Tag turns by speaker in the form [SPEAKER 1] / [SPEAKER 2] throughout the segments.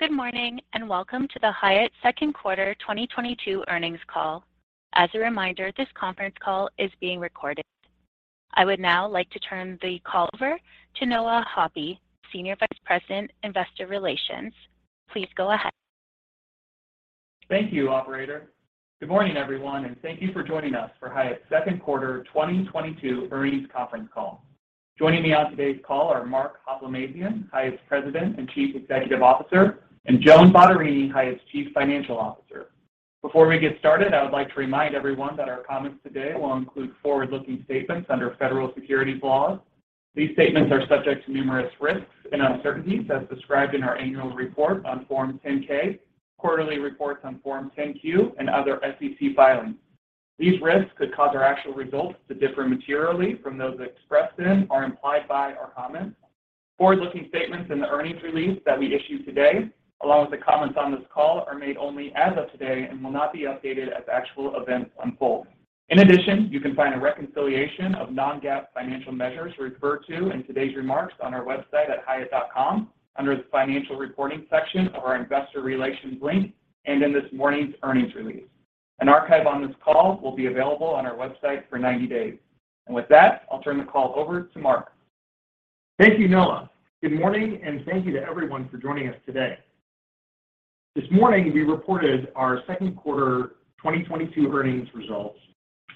[SPEAKER 1] Good morning, and welcome to the Hyatt second quarter 2022 earnings call. As a reminder, this conference call is being recorded. I would now like to turn the call over to Noah Hoppe, Senior Vice President, Investor Relations. Please go ahead.
[SPEAKER 2] Thank you, operator. Good morning, everyone, and thank you for joining us for Hyatt's second quarter 2022 earnings conference call. Joining me on today's call are Mark Hoplamazian, Hyatt's President and Chief Executive Officer, and Joan Bottarini, Hyatt's Chief Financial Officer. Before we get started, I would like to remind everyone that our comments today will include forward-looking statements under federal securities laws. These statements are subject to numerous risks and uncertainties as described in our annual report on Form 10-K, quarterly reports on Form 10-Q, and other SEC filings. These risks could cause our actual results to differ materially from those expressed in or implied by our comments. Forward-looking statements in the earnings release that we issue today, along with the comments on this call, are made only as of today and will not be updated as actual events unfold. In addition, you can find a reconciliation of non-GAAP financial measures referred to in today's remarks on our website at hyatt.com under the Financial Reporting section of our Investor Relations link and in this morning's earnings release. An archive on this call will be available on our website for 90 days. With that, I'll turn the call over to Mark.
[SPEAKER 3] Thank you, Noah. Good morning, and thank you to everyone for joining us today. This morning, we reported our second quarter 2022 earnings results,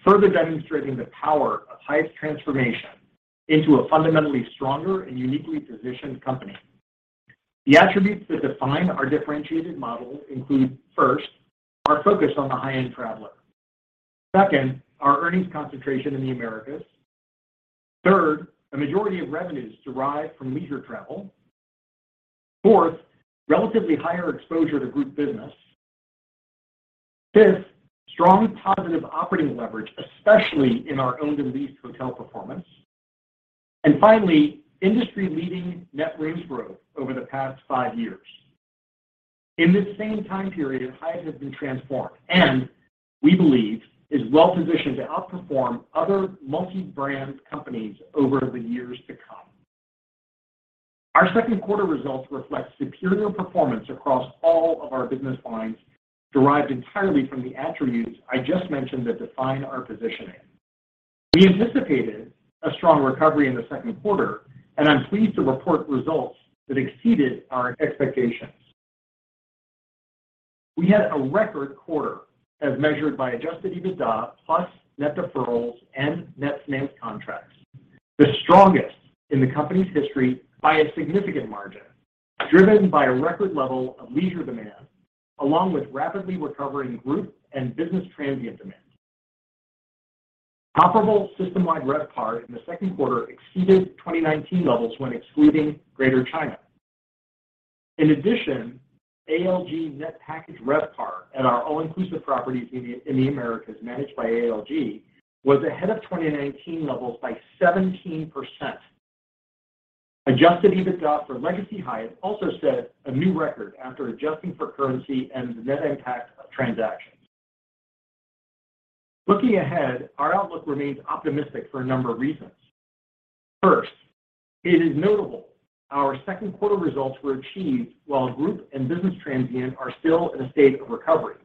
[SPEAKER 3] further demonstrating the power of Hyatt's transformation into a fundamentally stronger and uniquely positioned company. The attributes that define our differentiated model include, first, our focus on the high-end traveler. Second, our earnings concentration in the Americas. Third, a majority of revenues derive from leisure travel. Fourth, relatively higher exposure to group business. Fifth, strong positive operating leverage, especially in our owned and leased hotel performance. Finally, industry-leading net rooms growth over the past five years. In this same time period, Hyatt has been transformed and we believe is well-positioned to outperform other multi-brand companies over the years to come. Our second quarter results reflect superior performance across all of our business lines, derived entirely from the attributes I just mentioned that define our positioning. We anticipated a strong recovery in the second quarter, and I'm pleased to report results that exceeded our expectations. We had a record quarter as measured by adjusted EBITDA plus net deferrals and net financed contracts, the strongest in the company's history by a significant margin, driven by a record level of leisure demand, along with rapidly recovering group and business transient demand. Comparable system-wide RevPAR in the second quarter exceeded 2019 levels when excluding Greater China. In addition, ALG Net Package RevPAR at our all-inclusive properties in the Americas, managed by ALG, was ahead of 2019 levels by 17%. Adjusted EBITDA for legacy Hyatt also set a new record after adjusting for currency and the net impact of transactions. Looking ahead, our outlook remains optimistic for a number of reasons. First, it is notable our second quarter results were achieved while group and business transient are still in a state of recovery.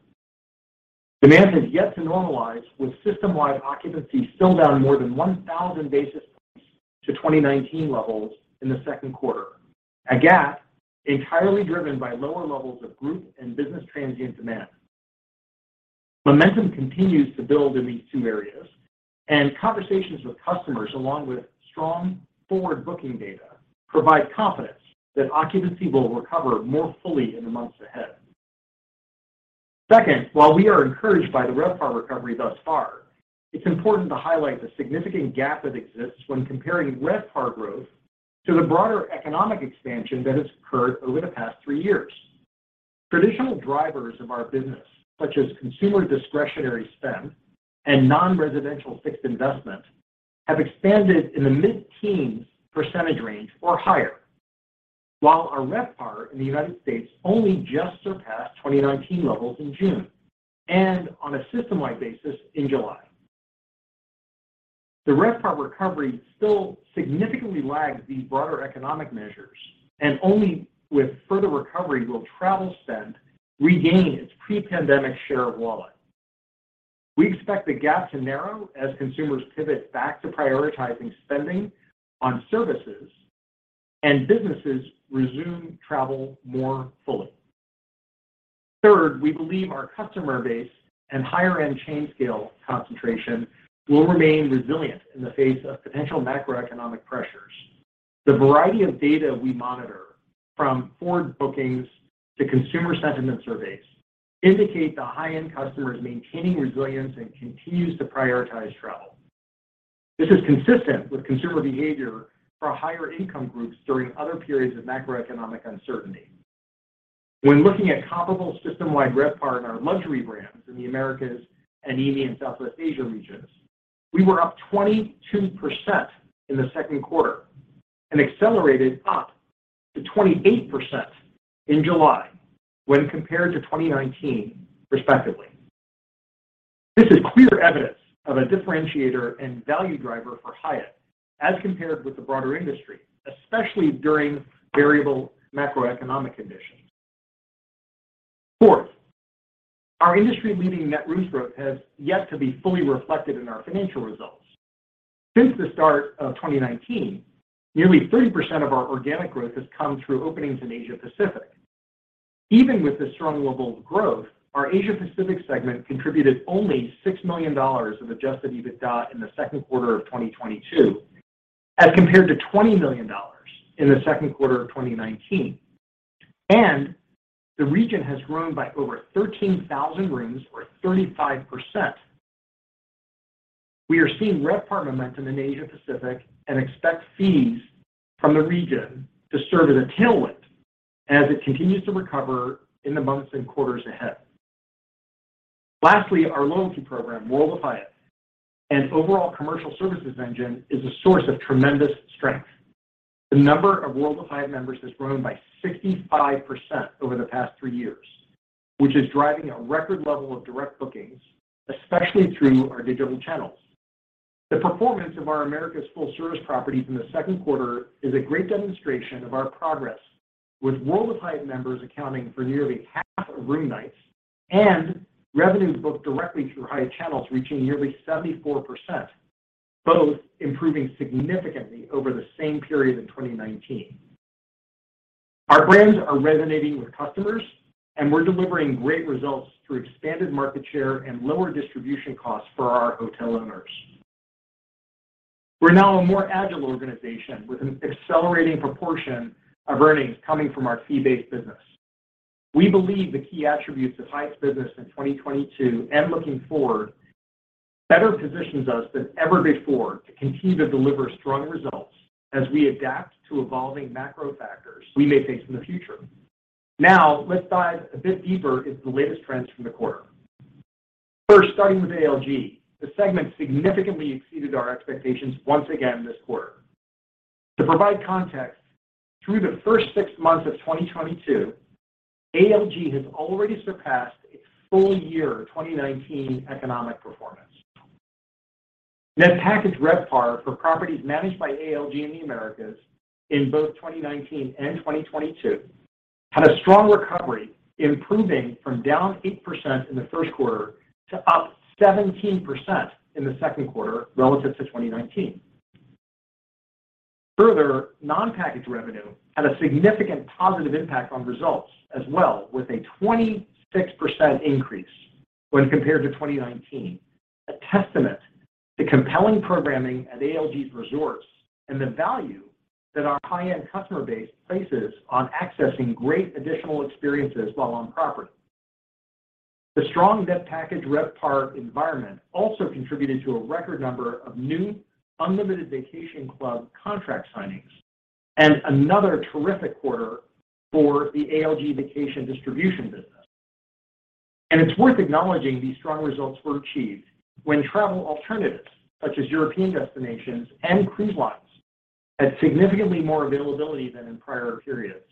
[SPEAKER 3] Demand has yet to normalize, with system-wide occupancy still down more than 1,000 basis points to 2019 levels in the second quarter. At Hyatt, entirely driven by lower levels of group and business transient demand. Momentum continues to build in these two areas, and conversations with customers, along with strong forward booking data, provide confidence that occupancy will recover more fully in the months ahead. Second, while we are encouraged by the RevPAR recovery thus far, it's important to highlight the significant gap that exists when comparing RevPAR growth to the broader economic expansion that has occurred over the past three years. Traditional drivers of our business, such as consumer discretionary spend and non-residential fixed investment, have expanded in the mid-teens percentage range or higher, while our RevPAR in the United States only just surpassed 2019 levels in June, and on a system-wide basis in July. The RevPAR recovery still significantly lags these broader economic measures, and only with further recovery will travel spend regain its pre-pandemic share of wallet. We expect the gap to narrow as consumers pivot back to prioritizing spending on services and businesses resume travel more fully. Third, we believe our customer base and higher-end chain scale concentration will remain resilient in the face of potential macroeconomic pressures. The variety of data we monitor, from forward bookings to consumer sentiment surveys, indicate the high-end customer is maintaining resilience and continues to prioritize travel. This is consistent with consumer behavior for higher income groups during other periods of macroeconomic uncertainty. When looking at comparable system-wide RevPAR in our luxury brands in the Americas and EAME and Southeast Asia regions, we were up 22% in the second quarter and accelerated up to 28% in July when compared to 2019, respectively. This is clear evidence of a differentiator and value driver for Hyatt as compared with the broader industry, especially during variable macroeconomic conditions. Fourth, our industry leading net rooms growth has yet to be fully reflected in our financial results. Since the start of 2019, nearly 30% of our organic growth has come through openings in Asia Pacific. Even with the strong level of growth, our Asia Pacific segment contributed only $6 million of adjusted EBITDA in the second quarter of 2022, as compared to $20 million in the second quarter of 2019. The region has grown by over 13,000 rooms or 35%. We are seeing RevPAR momentum in Asia Pacific and expect fees from the region to serve as a tailwind as it continues to recover in the months and quarters ahead. Lastly, our loyalty program, World of Hyatt, and overall commercial services engine is a source of tremendous strength. The number of World of Hyatt members has grown by 65% over the past three years, which is driving a record level of direct bookings, especially through our digital channels. The performance of our Americas full service properties in the second quarter is a great demonstration of our progress with World of Hyatt members accounting for nearly half of room nights and revenue booked directly through Hyatt channels reaching nearly 74%, both improving significantly over the same period in 2019. Our brands are resonating with customers, and we're delivering great results through expanded market share and lower distribution costs for our hotel owners. We're now a more agile organization with an accelerating proportion of earnings coming from our fee-based business. We believe the key attributes of Hyatt's business in 2022 and looking forward better positions us than ever before to continue to deliver strong results as we adapt to evolving macro factors we may face in the future. Now, let's dive a bit deeper into the latest trends from the quarter. First, starting with ALG, the segment significantly exceeded our expectations once again this quarter. To provide context, through the first six months of 2022, ALG has already surpassed its full year 2019 economic performance. Net Package RevPAR for properties managed by ALG in the Americas in both 2019 and 2022 had a strong recovery, improving from down 8% in the first quarter to up 17% in the second quarter relative to 2019. Further, non-package revenue had a significant positive impact on results as well with a 26% increase when compared to 2019, a testament to compelling programming at ALG's resorts and the value that our high-end customer base places on accessing great additional experiences while on property. The strong Net Package RevPAR environment also contributed to a record number of new Unlimited Vacation Club contract signings and another terrific quarter for the ALG Vacations business. It's worth acknowledging these strong results were achieved when travel alternatives such as European destinations and cruise lines had significantly more availability than in prior periods.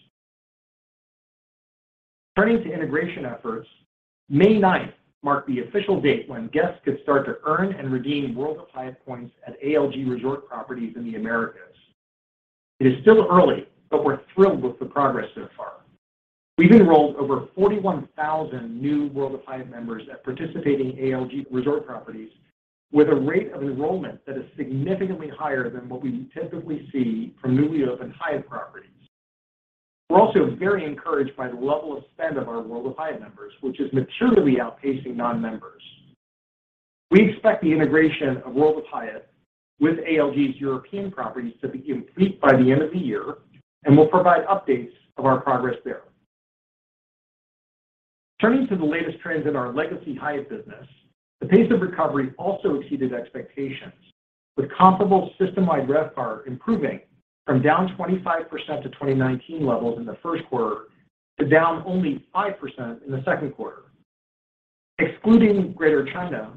[SPEAKER 3] Turning to integration efforts, May ninth marked the official date when guests could start to earn and redeem World of Hyatt points at ALG resort properties in the Americas. It is still early, but we're thrilled with the progress so far. We've enrolled over 41,000 new World of Hyatt members at participating ALG resort properties with a rate of enrollment that is significantly higher than what we typically see from newly opened Hyatt properties. We're also very encouraged by the level of spend of our World of Hyatt members, which is materially outpacing non-members. We expect the integration of World of Hyatt with ALG's European properties to be complete by the end of the year, and we'll provide updates of our progress there. Turning to the latest trends in our legacy Hyatt business, the pace of recovery also exceeded expectations with comparable systemwide RevPAR improving from down 25% to 2019 levels in the first quarter to down only 5% in the second quarter. Excluding Greater China,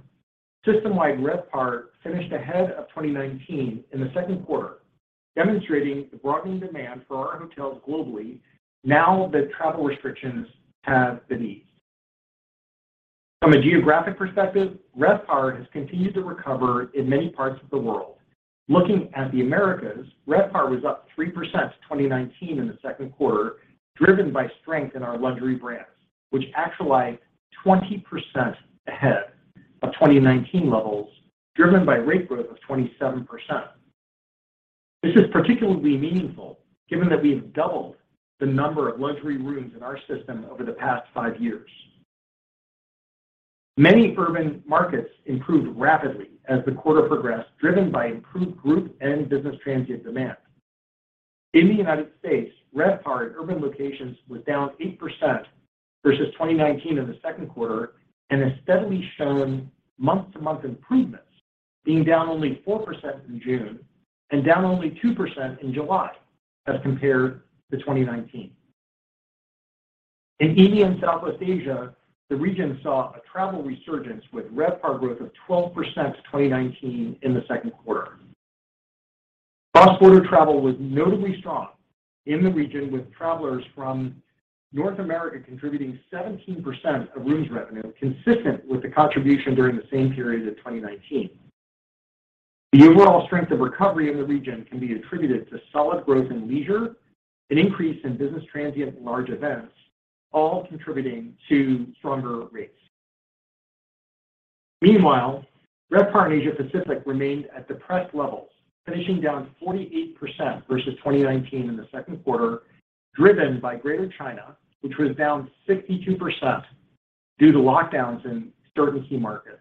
[SPEAKER 3] systemwide RevPAR finished ahead of 2019 in the second quarter, demonstrating the broadening demand for our hotels globally now that travel restrictions have been eased. From a geographic perspective, RevPAR has continued to recover in many parts of the world. Looking at the Americas, RevPAR was up 3% to 2019 in the second quarter, driven by strength in our luxury brands, which actualized 20% ahead of 2019 levels, driven by rate growth of 27%. This is particularly meaningful given that we've doubled the number of luxury rooms in our system over the past five years. Many urban markets improved rapidly as the quarter progressed, driven by improved group and business transient demand. In the United States, RevPAR in urban locations was down 8% versus 2019 in the second quarter and has steadily shown month-to-month improvements, being down only 4% in June and down only 2% in July as compared to 2019. In India and Southwest Asia, the region saw a travel resurgence with RevPAR growth of 12% to 2019 in the second quarter. Cross-border travel was notably strong in the region, with travelers from North America contributing 17% of rooms revenue, consistent with the contribution during the same period of 2019. The overall strength of recovery in the region can be attributed to solid growth in leisure, an increase in business transient and large events, all contributing to stronger rates. Meanwhile, RevPAR in Asia Pacific remained at depressed levels, finishing down 48% versus 2019 in the second quarter, driven by Greater China, which was down 62% due to lockdowns in certain key markets.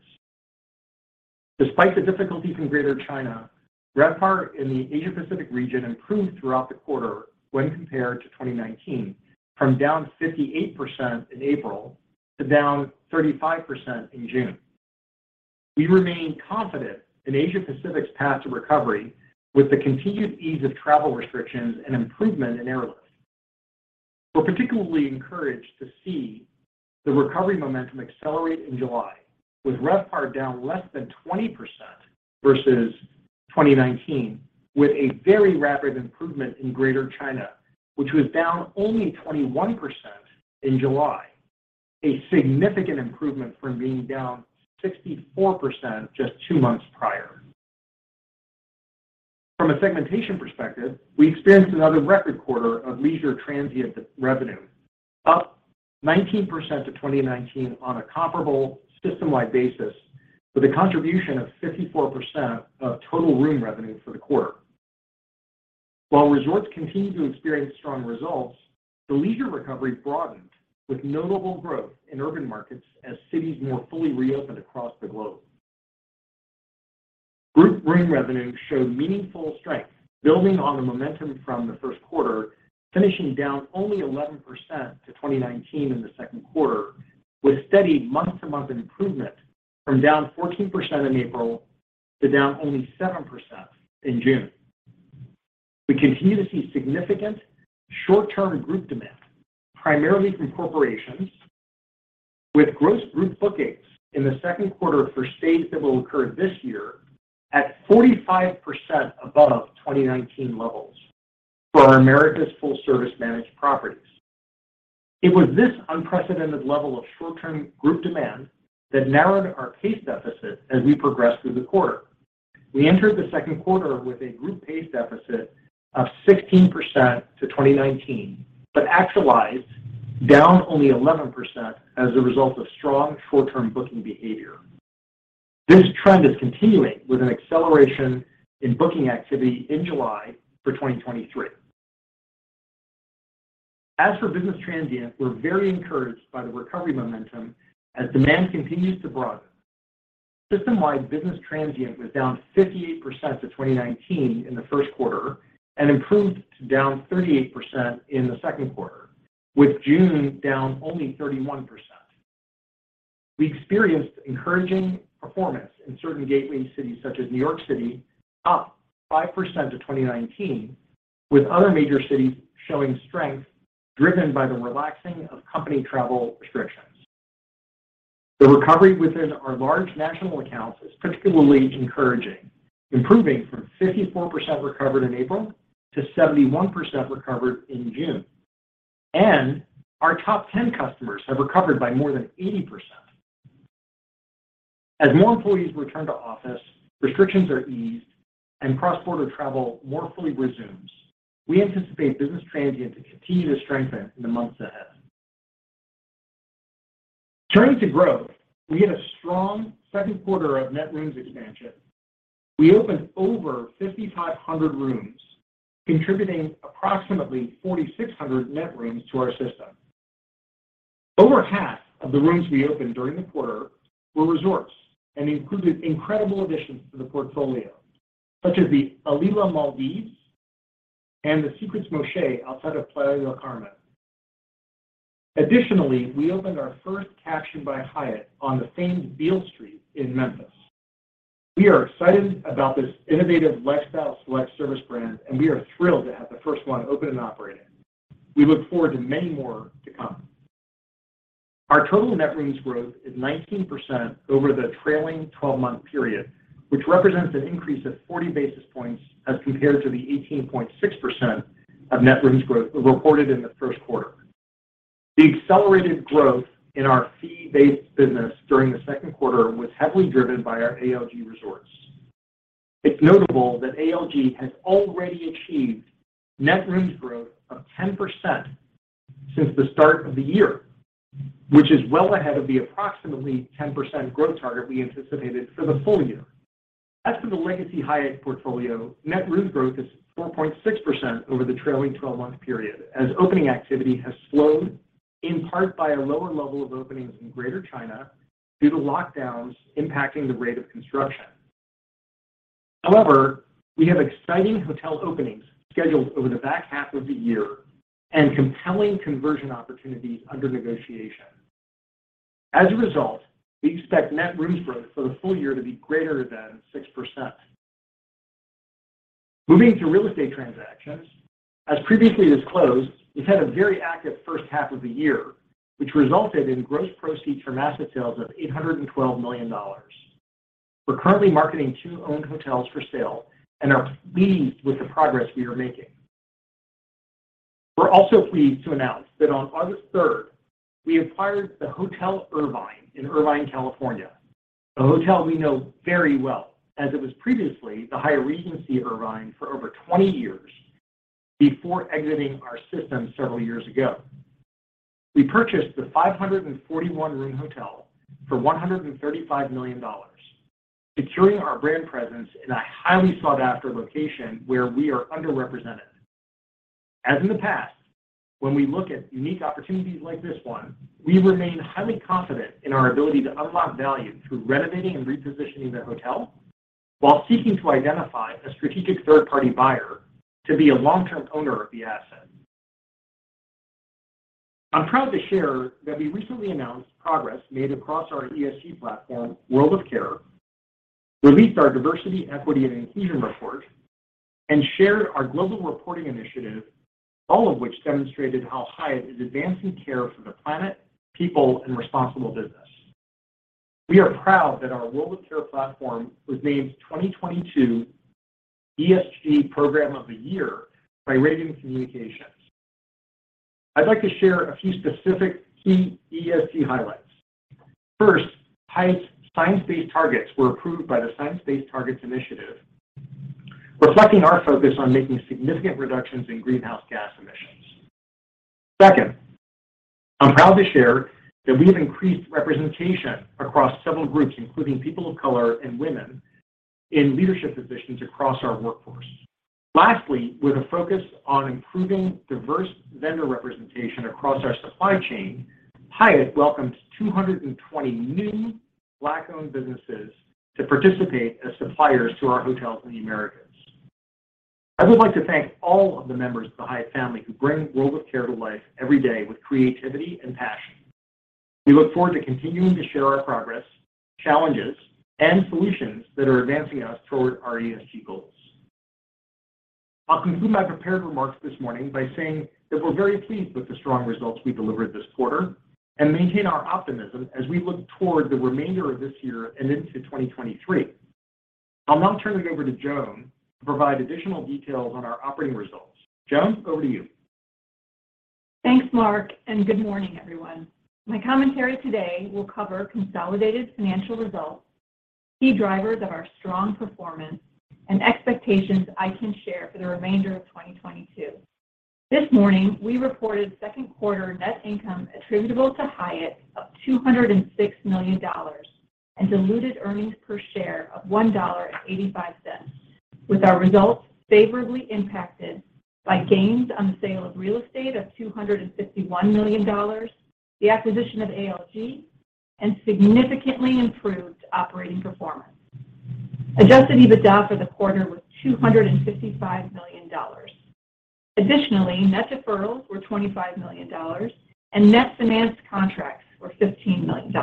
[SPEAKER 3] Despite the difficulties in Greater China, RevPAR in the Asia Pacific region improved throughout the quarter when compared to 2019, from down 58% in April to down 35% in June. We remain confident in Asia Pacific's path to recovery with the continued ease of travel restrictions and improvement in airlifts. We're particularly encouraged to see the recovery momentum accelerate in July, with RevPAR down less than 20% versus 2019, with a very rapid improvement in Greater China, which was down only 21% in July, a significant improvement from being down 64% just two months prior. From a segmentation perspective, we experienced another record quarter of leisure transient revenue, up 19% to 2019 on a comparable system-wide basis with a contribution of 54% of total room revenue for the quarter. While resorts continued to experience strong results, the leisure recovery broadened with notable growth in urban markets as cities more fully reopened across the globe. Group room revenue showed meaningful strength, building on the momentum from the first quarter, finishing down only 11% to 2019 in the second quarter, with steady month-to-month improvement from down 14% in April to down only 7% in June. We continue to see significant short-term group demand, primarily from corporations, with gross group bookings in the second quarter for stays that will occur this year at 45% above 2019 levels for our Americas full service managed properties. It was this unprecedented level of short-term group demand that narrowed our pace deficit as we progressed through the quarter. We entered the second quarter with a group pace deficit of 16% to 2019, but actualized down only 11% as a result of strong short-term booking behavior. This trend is continuing with an acceleration in booking activity in July for 2023. As for business transient, we're very encouraged by the recovery momentum as demand continues to broaden. System-wide business transient was down 58% to 2019 in the first quarter and improved to down 38% in the second quarter, with June down only 31%. We experienced encouraging performance in certain gateway cities such as New York City, up 5% to 2019, with other major cities showing strength driven by the relaxing of company travel restrictions. The recovery within our large national accounts is particularly encouraging, improving from 54% recovered in April to 71% recovered in June, and our top 10 customers have recovered by more than 80%. As more employees return to office, restrictions are eased, and cross-border travel more fully resumes, we anticipate business transient to continue to strengthen in the months ahead. Turning to growth, we had a strong second quarter of net rooms expansion. We opened over 5,500 rooms, contributing approximately 4,600 net rooms to our system. Over half of the rooms we opened during the quarter were resorts and included incredible additions to the portfolio, such as the Alila Kothaifaru Maldives and the Secrets Moxché outside of Playa del Carmen. Additionally, we opened our first Caption by Hyatt on the famed Beale Street in Memphis. We are excited about this innovative lifestyle select service brand, and we are thrilled to have the first one open and operating. We look forward to many more to come. Our total net rooms growth is 19% over the trailing twelve-month period, which represents an increase of 40 basis points as compared to the 18.6% of net rooms growth reported in the first quarter. The accelerated growth in our fee-based business during the second quarter was heavily driven by our ALG resorts. It's notable that ALG has already achieved net rooms growth of 10% since the start of the year, which is well ahead of the approximately 10% growth target we anticipated for the full year. As for the Legacy Hyatt portfolio, net rooms growth is 4.6% over the trailing twelve-month period, as opening activity has slowed in part by a lower level of openings in Greater China due to lockdowns impacting the rate of construction. However, we have exciting hotel openings scheduled over the back half of the year and compelling conversion opportunities under negotiation. As a result, we expect net rooms growth for the full year to be greater than 6%. Moving to real estate transactions. As previously disclosed, we've had a very active first half of the year, which resulted in gross proceeds from asset sales of $812 million. We're currently marketing two owned hotels for sale and are pleased with the progress we are making. We're pleased to announce that on August third, we acquired the Hotel Irvine in Irvine, California, a hotel we know very well as it was previously the Hyatt Regency Irvine for over 20 years before exiting our system several years ago. We purchased the 541-room hotel for $135 million, securing our brand presence in a highly sought-after location where we are underrepresented. As in the past, when we look at unique opportunities like this one, we remain highly confident in our ability to unlock value through renovating and repositioning the hotel while seeking to identify a strategic third-party buyer to be a long-term owner of the asset. I'm proud to share that we recently announced progress made across our ESG platform, World of Care, released our Diversity, Equity, and Inclusion report, and shared our Global Reporting Initiative, all of which demonstrated how Hyatt is advancing care for the planet, people, and responsible business. We are proud that our World of Care platform was named 2022 ESG Program of the Year by Ragan Communications. I'd like to share a few specific key ESG highlights. First, Hyatt's science-based targets were approved by the Science Based Targets initiative, reflecting our focus on making significant reductions in greenhouse gas emissions. Second, I'm proud to share that we have increased representation across several groups, including people of color and women in leadership positions across our workforce. Lastly, with a focus on improving diverse vendor representation across our supply chain, Hyatt welcomed 220 new Black-owned businesses to participate as suppliers to our hotels in the Americas. I would like to thank all of the members of the Hyatt family who bring World of Care to life every day with creativity and passion. We look forward to continuing to share our progress, challenges, and solutions that are advancing us toward our ESG goals. I'll conclude my prepared remarks this morning by saying that we're very pleased with the strong results we delivered this quarter and maintain our optimism as we look toward the remainder of this year and into 2023. I'll now turn it over to Joan to provide additional details on our operating results. Joan, over to you.
[SPEAKER 4] Thanks, Mark, and good morning, everyone. My commentary today will cover consolidated financial results, key drivers of our strong performance, and expectations I can share for the remainder of 2022. This morning, we reported second quarter net income attributable to Hyatt of $206 million and diluted earnings per share of $1.85, with our results favorably impacted by gains on the sale of real estate of $251 million, the acquisition of ALG, and significantly improved operating performance. Adjusted EBITDA for the quarter was $255 million. Additionally, net deferrals were $25 million and net finance contracts were $15 million.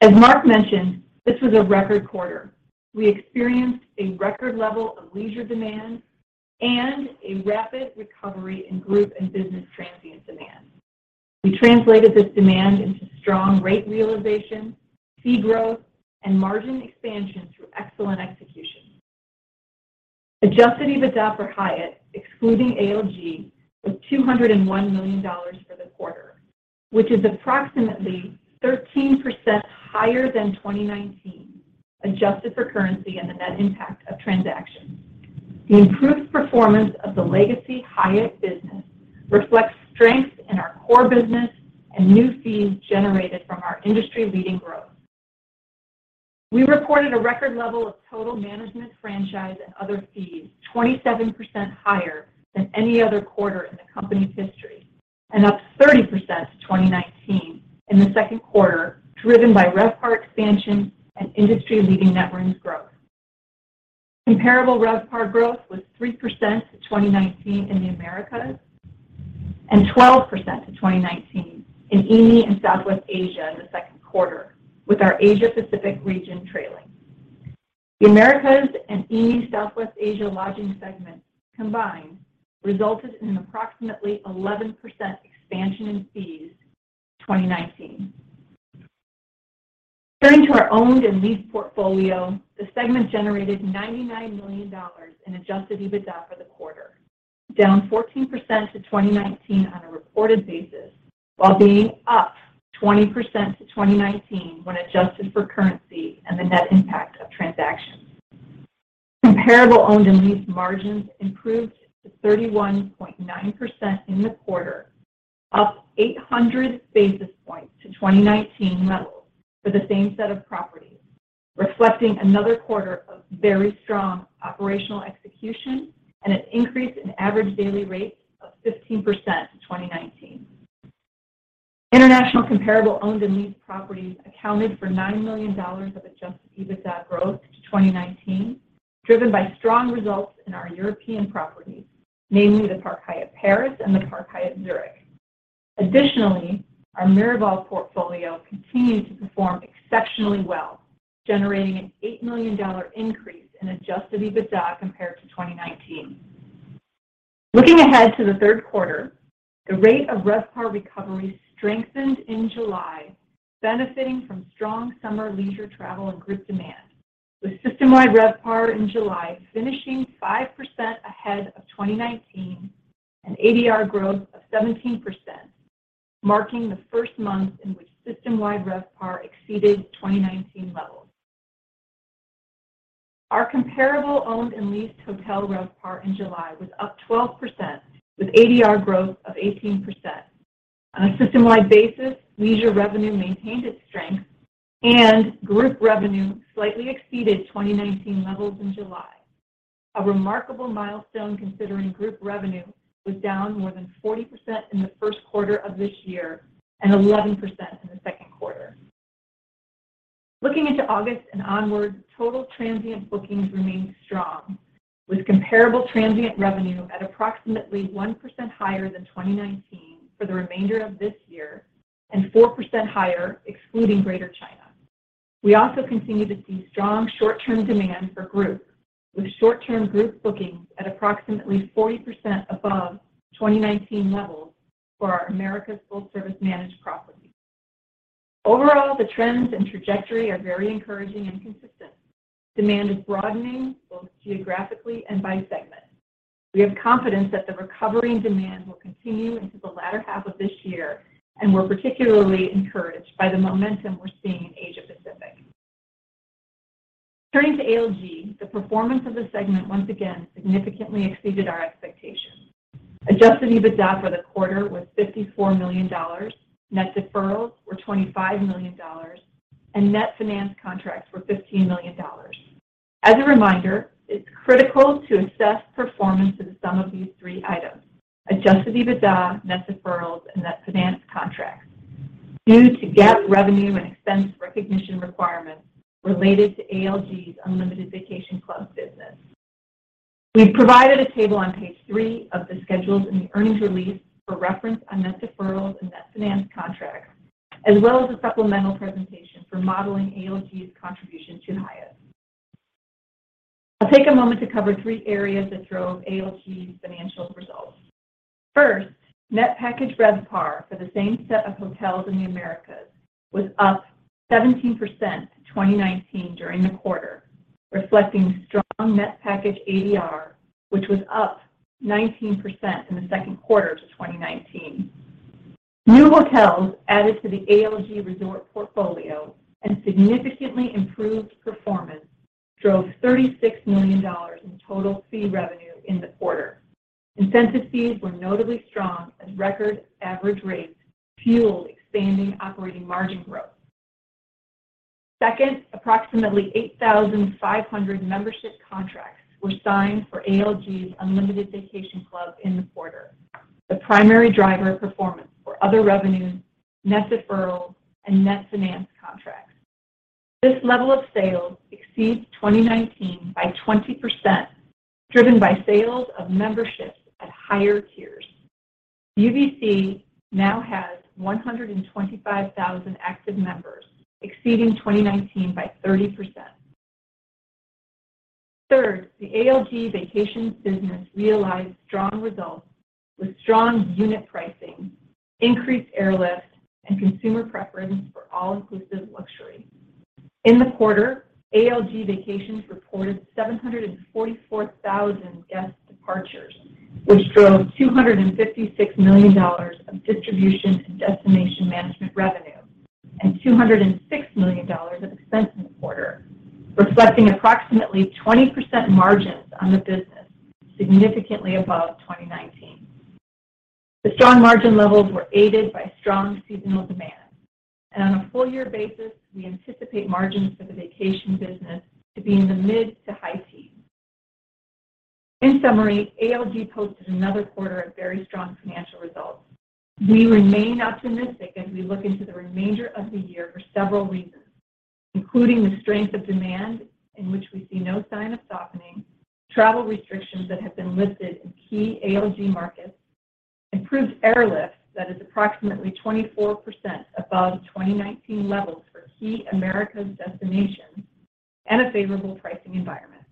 [SPEAKER 4] As Mark mentioned, this was a record quarter. We experienced a record level of leisure demand and a rapid recovery in group and business transient demand. We translated this demand into strong rate realization, fee growth, and margin expansion through excellent execution. Adjusted EBITDA for Hyatt, excluding ALG, was $201 million for the quarter, which is approximately 13% higher than 2019, adjusted for currency and the net impact of transactions. The improved performance of the legacy Hyatt business reflects strength in our core business and new fees generated from our industry-leading growth. We reported a record level of total management franchise and other fees 27% higher than any other quarter in the company's history, and up 30% to 2019 in the second quarter, driven by RevPAR expansion and industry-leading net rooms growth. Comparable RevPAR growth was 3% to 2019 in the Americas and 12% to 2019 in EAME and Southwest Asia in the second quarter, with our Asia Pacific region trailing. The Americas and EAME Southwest Asia lodging segment combined resulted in an approximately 11% expansion in fees to 2019. Turning to our owned and leased portfolio, the segment generated $99 million in adjusted EBITDA for the quarter, down 14% to 2019 on a reported basis, while being up 20% to 2019 when adjusted for currency and the net impact of transactions. Comparable owned and leased margins improved to 31.9% in the quarter, up 800 basis points to 2019 levels for the same set of properties, reflecting another quarter of very strong operational execution and an increase in average daily rates of 15% to 2019. International comparable owned and leased properties accounted for $9 million of adjusted EBITDA growth to 2019, driven by strong results in our European properties, namely the Park Hyatt Paris-Vendôme and the Park Hyatt Zurich. Additionally, our Miraval portfolio continued to perform exceptionally well, generating an $8 million increase in adjusted EBITDA compared to 2019. Looking ahead to the third quarter, the rate of RevPAR recovery strengthened in July, benefiting from strong summer leisure travel and group demand, with system-wide RevPAR in July finishing 5% ahead of 2019 and ADR growth of 17%, marking the first month in which system-wide RevPAR exceeded 2019 levels. Our comparable owned and leased hotel RevPAR in July was up 12% with ADR growth of 18%. On a system-wide basis, leisure revenue maintained its strength and group revenue slightly exceeded 2019 levels in July. A remarkable milestone considering group revenue was down more than 40% in the first quarter of this year and 11% in the second quarter. Looking into August and onward, total transient bookings remained strong with comparable transient revenue at approximately 1% higher than 2019 for the remainder of this year and 4% higher excluding Greater China. We also continue to see strong short-term demand for group, with short-term group bookings at approximately 40% above 2019 levels for our Americas full-service managed properties. Overall, the trends and trajectory are very encouraging and consistent. Demand is broadening both geographically and by segment. We have confidence that the recovery in demand will continue into the latter half of this year, and we're particularly encouraged by the momentum we're seeing in Asia-Pacific. Turning to ALG, the performance of the segment once again significantly exceeded our expectations. Adjusted EBITDA for the quarter was $54 million, Net Deferrals were $25 million, and Net Financed Contracts were $15 million. As a reminder, it's critical to assess performance of the sum of these three items: Adjusted EBITDA, Net Deferrals, and Net Financed Contracts due to GAAP revenue and expense recognition requirements related to ALG's Unlimited Vacation Club business. We've provided a table on page three of the schedules in the earnings release for reference on Net Deferrals and Net Financed Contracts, as well as a supplemental presentation for modeling ALG's contribution to Hyatt. I'll take a moment to cover three areas that drove ALG's financial results. First, Net Package RevPAR for the same set of hotels in the Americas was up 17% in 2019 during the quarter, reflecting strong net package ADR, which was up 19% in the second quarter to 2019. New hotels added to the ALG resort portfolio and significantly improved performance drove $36 million in total fee revenue in the quarter. Incentive fees were notably strong as record average rates fueled expanding operating margin growth. Second, approximately 8,500 membership contracts were signed for ALG's Unlimited Vacation Club in the quarter. The primary driver of performance for other revenues, Net Deferrals, and Net Financed Contracts. This level of sales exceeds 2019 by 20%, driven by sales of memberships at higher tiers. UVC now has 125,000 active members, exceeding 2019 by 30%. Third, the ALG Vacations business realized strong results with strong unit pricing, increased airlifts, and consumer preference for all-inclusive luxury. In the quarter, ALG Vacations reported 744,000 guest departures, which drove $256 million of distribution and destination management revenue and $206 million of expense in the quarter, reflecting approximately 20% margins on the business, significantly above 2019. The strong margin levels were aided by strong seasonal demand, and on a full year basis, we anticipate margins for the vacation business to be in the mid- to high-teens. In summary, ALG posted another quarter of very strong financial results. We remain optimistic as we look into the remainder of the year for several reasons, including the strength of demand in which we see no sign of softening, travel restrictions that have been lifted in key ALG markets, improved airlift that is approximately 24% above 2019 levels for key Americas destinations, and a favorable pricing environment.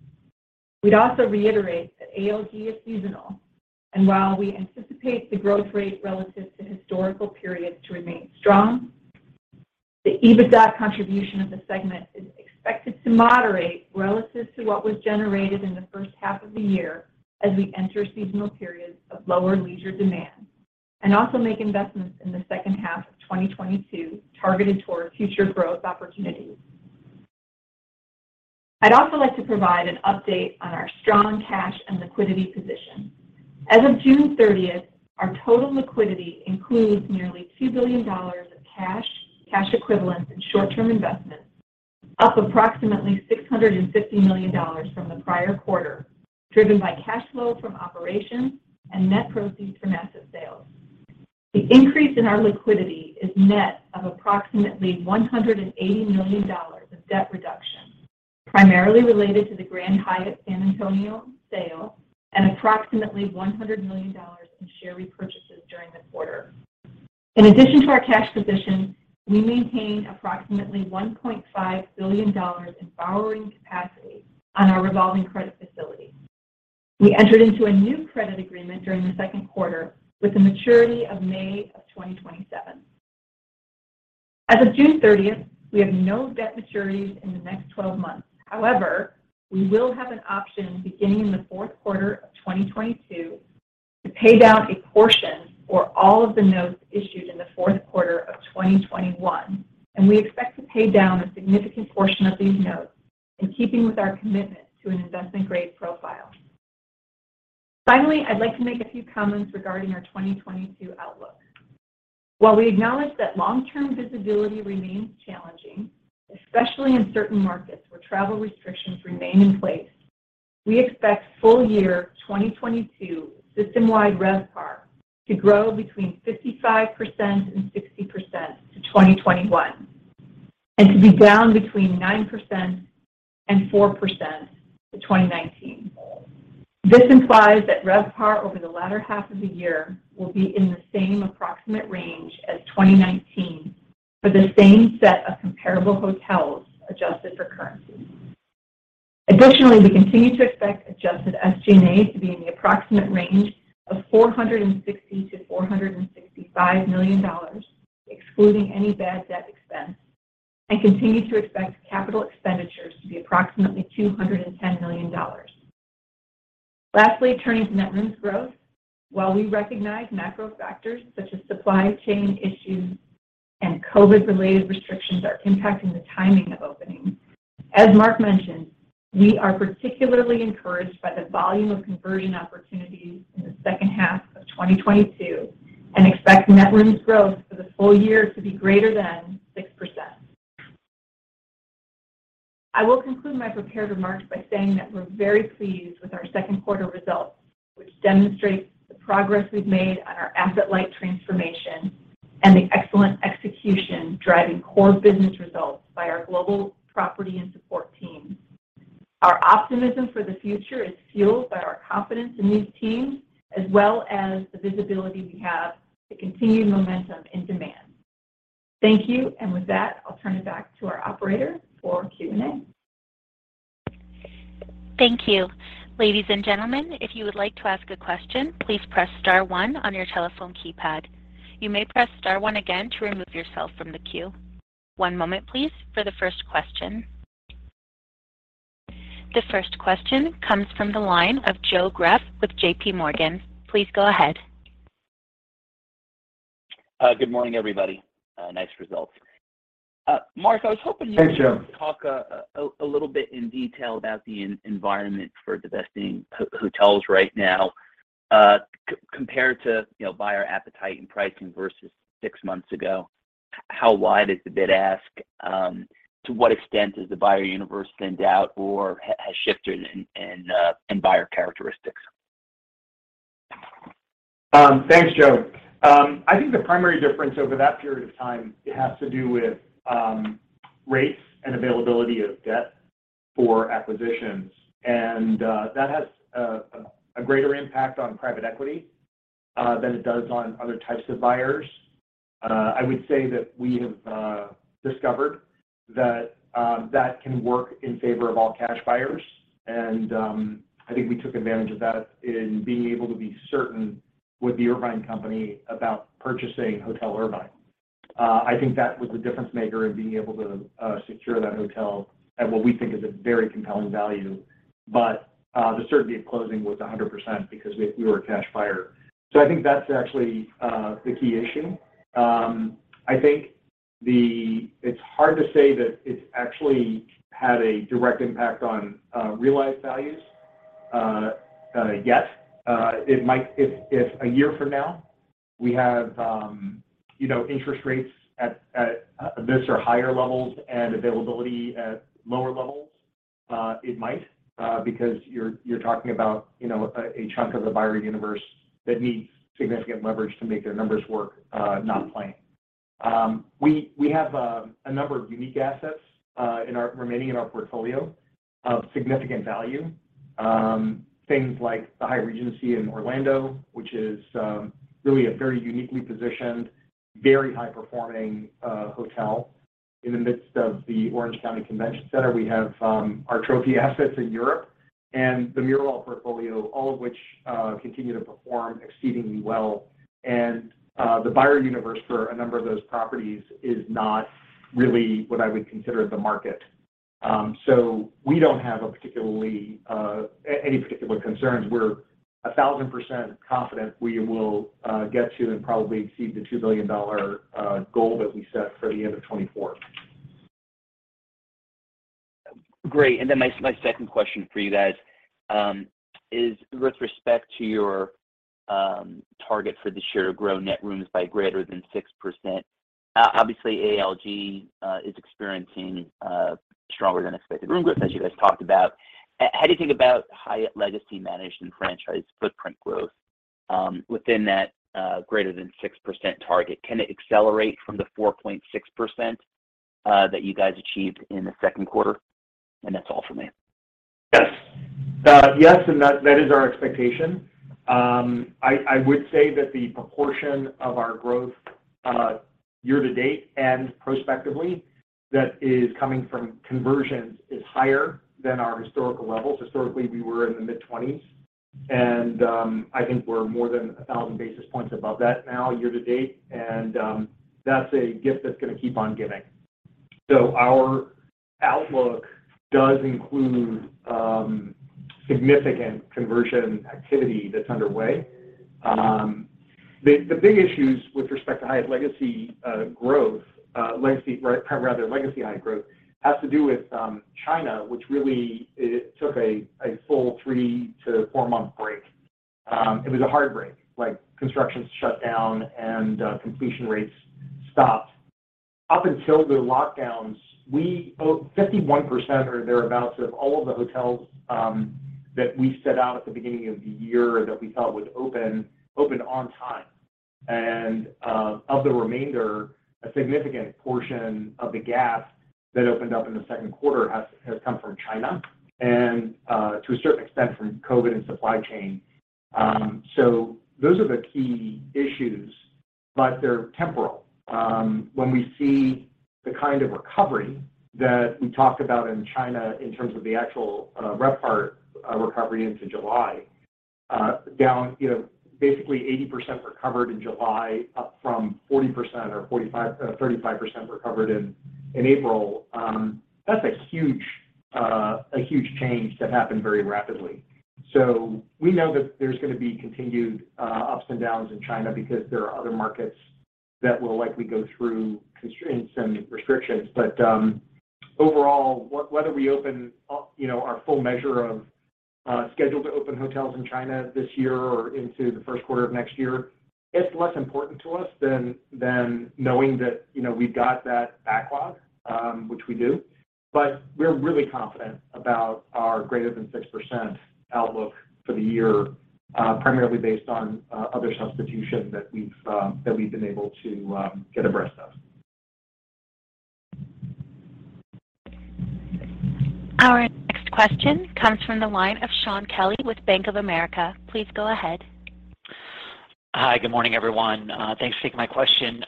[SPEAKER 4] We'd also reiterate that ALG is seasonal and while we anticipate the growth rate relative to historical periods to remain strong, the EBITDA contribution of the segment is expected to moderate relative to what was generated in the first half of the year as we enter seasonal periods of lower leisure demand and also make investments in the second half of 2022 targeted towards future growth opportunities. I'd also like to provide an update on our strong cash and liquidity position. As of June 30, our total liquidity includes nearly $2 billion of cash equivalents, and short-term investments, up approximately $650 million from the prior quarter, driven by cash flow from operations and net proceeds from asset sales. The increase in our liquidity is net of approximately $180 million of debt reduction. Primarily related to the Grand Hyatt San Antonio sale and approximately $100 million in share repurchases during the quarter. In addition to our cash position, we maintained approximately $1.5 billion in borrowing capacity on our revolving credit facility. We entered into a new credit agreement during the second quarter with a maturity of May 2027. As of June 30, we have no debt maturities in the next twelve months. However, we will have an option beginning in the fourth quarter of 2022 to pay down a portion or all of the notes issued in the fourth quarter of 2021, and we expect to pay down a significant portion of these notes in keeping with our commitment to an investment-grade profile. Finally, I'd like to make a few comments regarding our 2022 outlook. While we acknowledge that long-term visibility remains challenging, especially in certain markets where travel restrictions remain in place, we expect full year 2022 system-wide RevPAR to grow between 55% and 60% to 2021, and to be down between 9% and 4% to 2019. This implies that RevPAR over the latter half of the year will be in the same approximate range as 2019 for the same set of comparable hotels adjusted for currency. Additionally, we continue to expect adjusted SG&A to be in the approximate range of $460 million-$465 million, excluding any bad debt expense, and continue to expect capital expenditures to be approximately $210 million. Lastly, turning to net new growth. While we recognize macro factors such as supply chain issues and COVID-related restrictions are impacting the timing of openings, as Mark mentioned, we are particularly encouraged by the volume of conversion opportunities in the second half of 2022 and expect net new growth for the full year to be greater than 6%. I will conclude my prepared remarks by saying that we're very pleased with our second quarter results, which demonstrate the progress we've made on our asset-light transformation and the excellent execution driving core business results by our global property and support teams. Our optimism for the future is fueled by our confidence in these teams as well as the visibility we have to continued momentum in demand. Thank you. With that, I'll turn it back to our operator for Q&A.
[SPEAKER 1] Thank you. Ladies and gentlemen, if you would like to ask a question, please press star one on your telephone keypad. You may press star one again to remove yourself from the queue. One moment, please, for the first question. The first question comes from the line of Joe Greff with J.P. Morgan. Please go ahead.
[SPEAKER 5] Good morning, everybody. Nice results. Mark, I was hoping you-
[SPEAKER 3] Hey, Joe.
[SPEAKER 5] could talk a little bit in detail about the environment for divesting hotels right now, compared to, you know, buyer appetite and pricing versus six months ago. How wide is the bid-ask? To what extent is the buyer universe thinned out or has shifted in buyer characteristics?
[SPEAKER 3] Thanks, Joe. I think the primary difference over that period of time has to do with rates and availability of debt for acquisitions. That has a greater impact on private equity than it does on other types of buyers. I would say that we have discovered that that can work in favor of all-cash buyers. I think we took advantage of that in being able to be certain with The Irvine Company about purchasing Hotel Irvine. I think that was a difference maker in being able to secure that hotel at what we think is a very compelling value. The certainty of closing was 100% because we were a cash buyer. I think that's actually the key issue. It's hard to say that it's actually had a direct impact on realized values yet. It might. If a year from now we have, you know, interest rates at this or higher levels and availability at lower levels, it might, because you're talking about, you know, a chunk of the buyer universe that needs significant leverage to make their numbers work, not playing. We have a number of unique assets remaining in our portfolio of significant value. Things like the Hyatt Regency in Orlando, which is really a very uniquely positioned, very high-performing hotel in the midst of the Orange County Convention Center. We have our trophy assets in Europe and the Miraval portfolio, all of which continue to perform exceedingly well. The buyer universe for a number of those properties is not really what I would consider the market. We don't have any particular concerns. We're 1000% confident we will get to and probably exceed the $2 billion goal that we set for the end of 2024.
[SPEAKER 5] Great. My second question for you guys is with respect to your target for this year to grow net rooms by greater than 6%. Obviously, ALG is experiencing stronger than expected room growth as you guys talked about. How do you think about Hyatt legacy managed and franchised footprint growth? Within that greater than 6% target, can it accelerate from the 4.6% that you guys achieved in the second quarter? And that's all for me.
[SPEAKER 3] Yes. Yes, that is our expectation. I would say that the proportion of our growth year to date and prospectively that is coming from conversions is higher than our historical levels. Historically, we were in the mid-20s and I think we're more than 1,000 basis points above that now year to date. That's a gift that's gonna keep on giving. Our outlook does include significant conversion activity that's underway. The big issues with respect to legacy Hyatt growth has to do with China, which really it took a full three to four month break. It was a hard break, like construction shut down and completion rates stopped. Up until the lockdowns, 51% or thereabouts of all of the hotels that we set out at the beginning of the year that we thought would open opened on time. Of the remainder, a significant portion of the gap that opened up in the second quarter has come from China and, to a certain extent from COVID and supply chain. So those are the key issues, but they're temporal. When we see the kind of recovery that we talk about in China in terms of the actual RevPAR recovery into July, you know, basically 80% recovered in July, up from 35% recovered in April. That's a huge change that happened very rapidly. We know that there's gonna be continued ups and downs in China because there are other markets that will likely go through constraints and restrictions. Overall, whether we open, you know, our full measure of scheduled to open hotels in China this year or into the first quarter of next year, it's less important to us than knowing that, you know, we've got that backlog, which we do. We're really confident about our greater than 6% outlook for the year, primarily based on other substitution that we've been able to get ahead of.
[SPEAKER 1] Our next question comes from the line of Shaun Kelley with Bank of America. Please go ahead.
[SPEAKER 6] Hi. Good morning, everyone. Thanks for taking my question.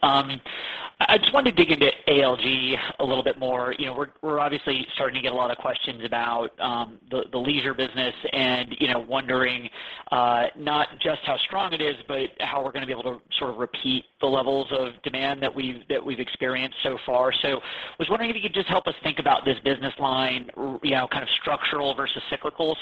[SPEAKER 6] I just wanted to dig into ALG a little bit more. You know, we're obviously starting to get a lot of questions about the leisure business and, you know, wondering not just how strong it is, but how we're gonna be able to sort of repeat the levels of demand that we've experienced so far. I was wondering if you could just help us think about this business line, you know, kind of structural versus cyclical.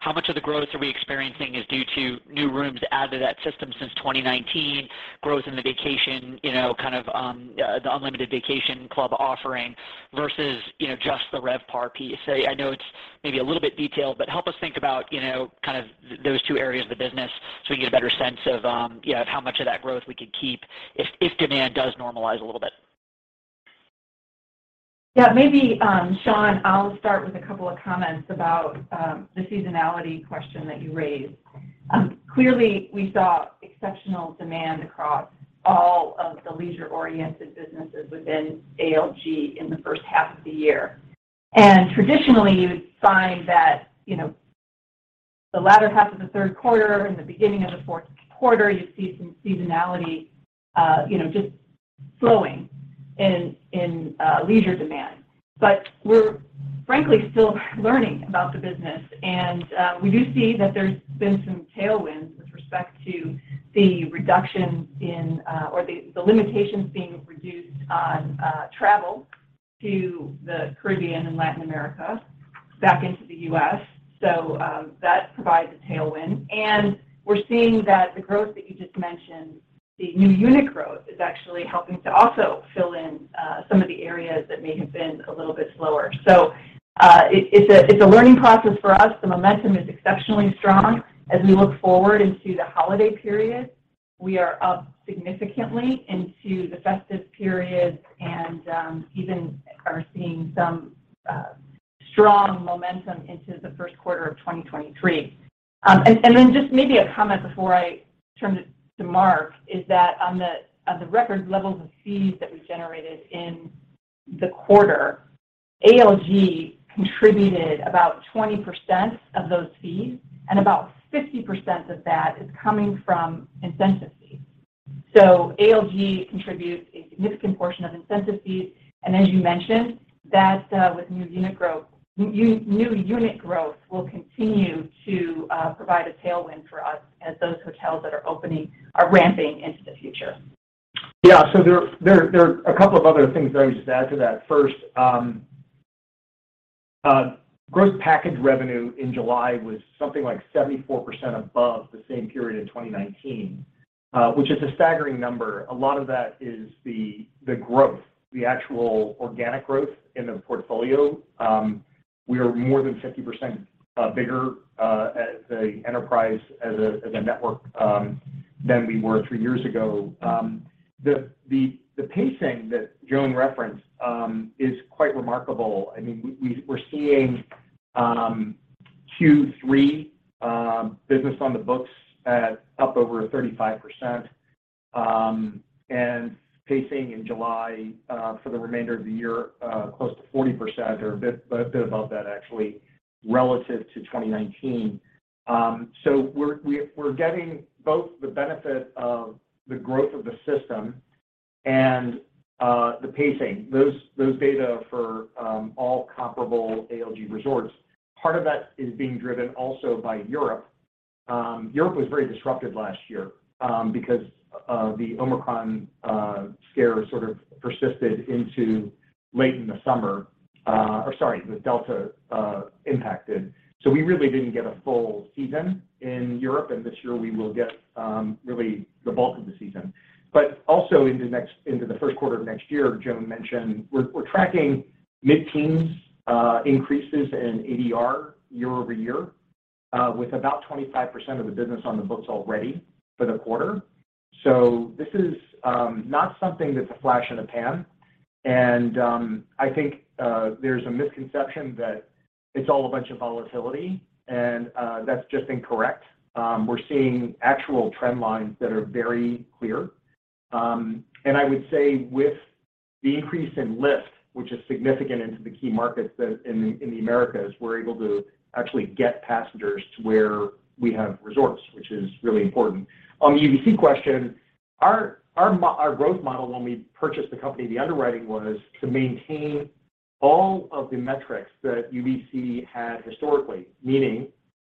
[SPEAKER 6] How much of the growth are we experiencing is due to new rooms added to that system since 2019, growth in the vacation, you know, kind of the Unlimited Vacation Club offering versus, you know, just the RevPAR piece? I know it's maybe a little bit detailed, but help us think about, you know, kind of those two areas of the business so we can get a better sense of, you know, how much of that growth we could keep if demand does normalize a little bit.
[SPEAKER 4] Yeah. Maybe, Shaun, I'll start with a couple of comments about the seasonality question that you raised. Clearly, we saw exceptional demand across all of the leisure-oriented businesses within ALG in the first half of the year. Traditionally, you would find that, you know, the latter half of the third quarter and the beginning of the fourth quarter, you see some seasonality, you know, just slowing in leisure demand. We're frankly still learning about the business. We do see that there's been some tailwinds with respect to the reduction in or the limitations being reduced on travel to the Caribbean and Latin America back into the U.S. That provides a tailwind. We're seeing that the growth that you just mentioned, the new unit growth, is actually helping to also fill in some of the areas that may have been a little bit slower. It's a learning process for us. The momentum is exceptionally strong. As we look forward into the holiday period, we are up significantly into the festive period and even are seeing some strong momentum into the first quarter of 2023. Just maybe a comment before I turn it to Mark is that on the record levels of fees that we generated in the quarter, ALG contributed about 20% of those fees, and about 50% of that is coming from incentive fees. ALG contributes a significant portion of incentive fees. As you mentioned, that with new unit growth will continue to provide a tailwind for us as those hotels that are opening are ramping into the future.
[SPEAKER 3] Yeah. There are a couple of other things that I would just add to that. First, gross package revenue in July was something like 74% above the same period in 2019, which is a staggering number. A lot of that is the growth, the actual organic growth in the portfolio. We are more than 50% bigger as an enterprise, as a network than we were three years ago. The pacing that Joan referenced is quite remarkable. I mean, we're seeing Q3 business on the books at up over 35%. Pacing in July for the remainder of the year close to 40% or a bit above that actually, relative to 2019. We're getting both the benefit of the growth of the system and the pacing. Those data are for all comparable ALG resorts. Part of that is being driven also by Europe. Europe was very disruptive last year because of the Omicron scare sort of persisted into late in the summer, or sorry, the Delta impacted. We really didn't get a full season in Europe, and this year we will get really the bulk of the season. Also into the first quarter of next year, Joan mentioned we're tracking mid-teens increases in ADR year-over-year with about 25% of the business on the books already for the quarter. This is not something that's a flash in the pan. I think there's a misconception that it's all a bunch of volatility, and that's just incorrect. We're seeing actual trend lines that are very clear. I would say with the increase in lift, which is significant into the key markets in the Americas, we're able to actually get passengers to where we have resorts, which is really important. On the UVC question, our growth model when we purchased the company, the underwriting was to maintain all of the metrics that UVC had historically. Meaning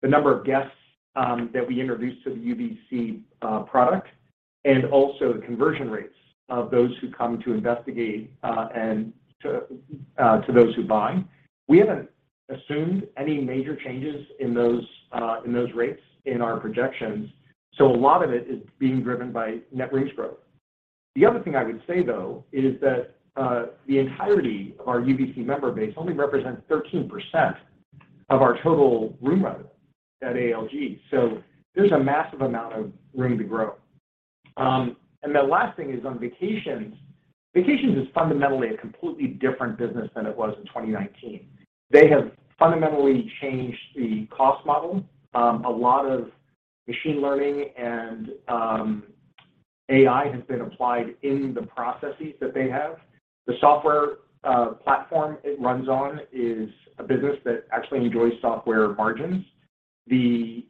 [SPEAKER 3] the number of guests that we introduced to the UVC product, and also the conversion rates of those who come to investigate and to those who buy. We haven't assumed any major changes in those rates in our projections, so a lot of it is being driven by net rooms growth. The other thing I would say though is that the entirety of our UVC member base only represents 13% of our total room revenue at ALG. So there's a massive amount of room to grow. The last thing is on Vacations. Vacations is fundamentally a completely different business than it was in 2019. They have fundamentally changed the cost model. A lot of machine learning and AI has been applied in the processes that they have. The software platform it runs on is a business that actually enjoys software margins. The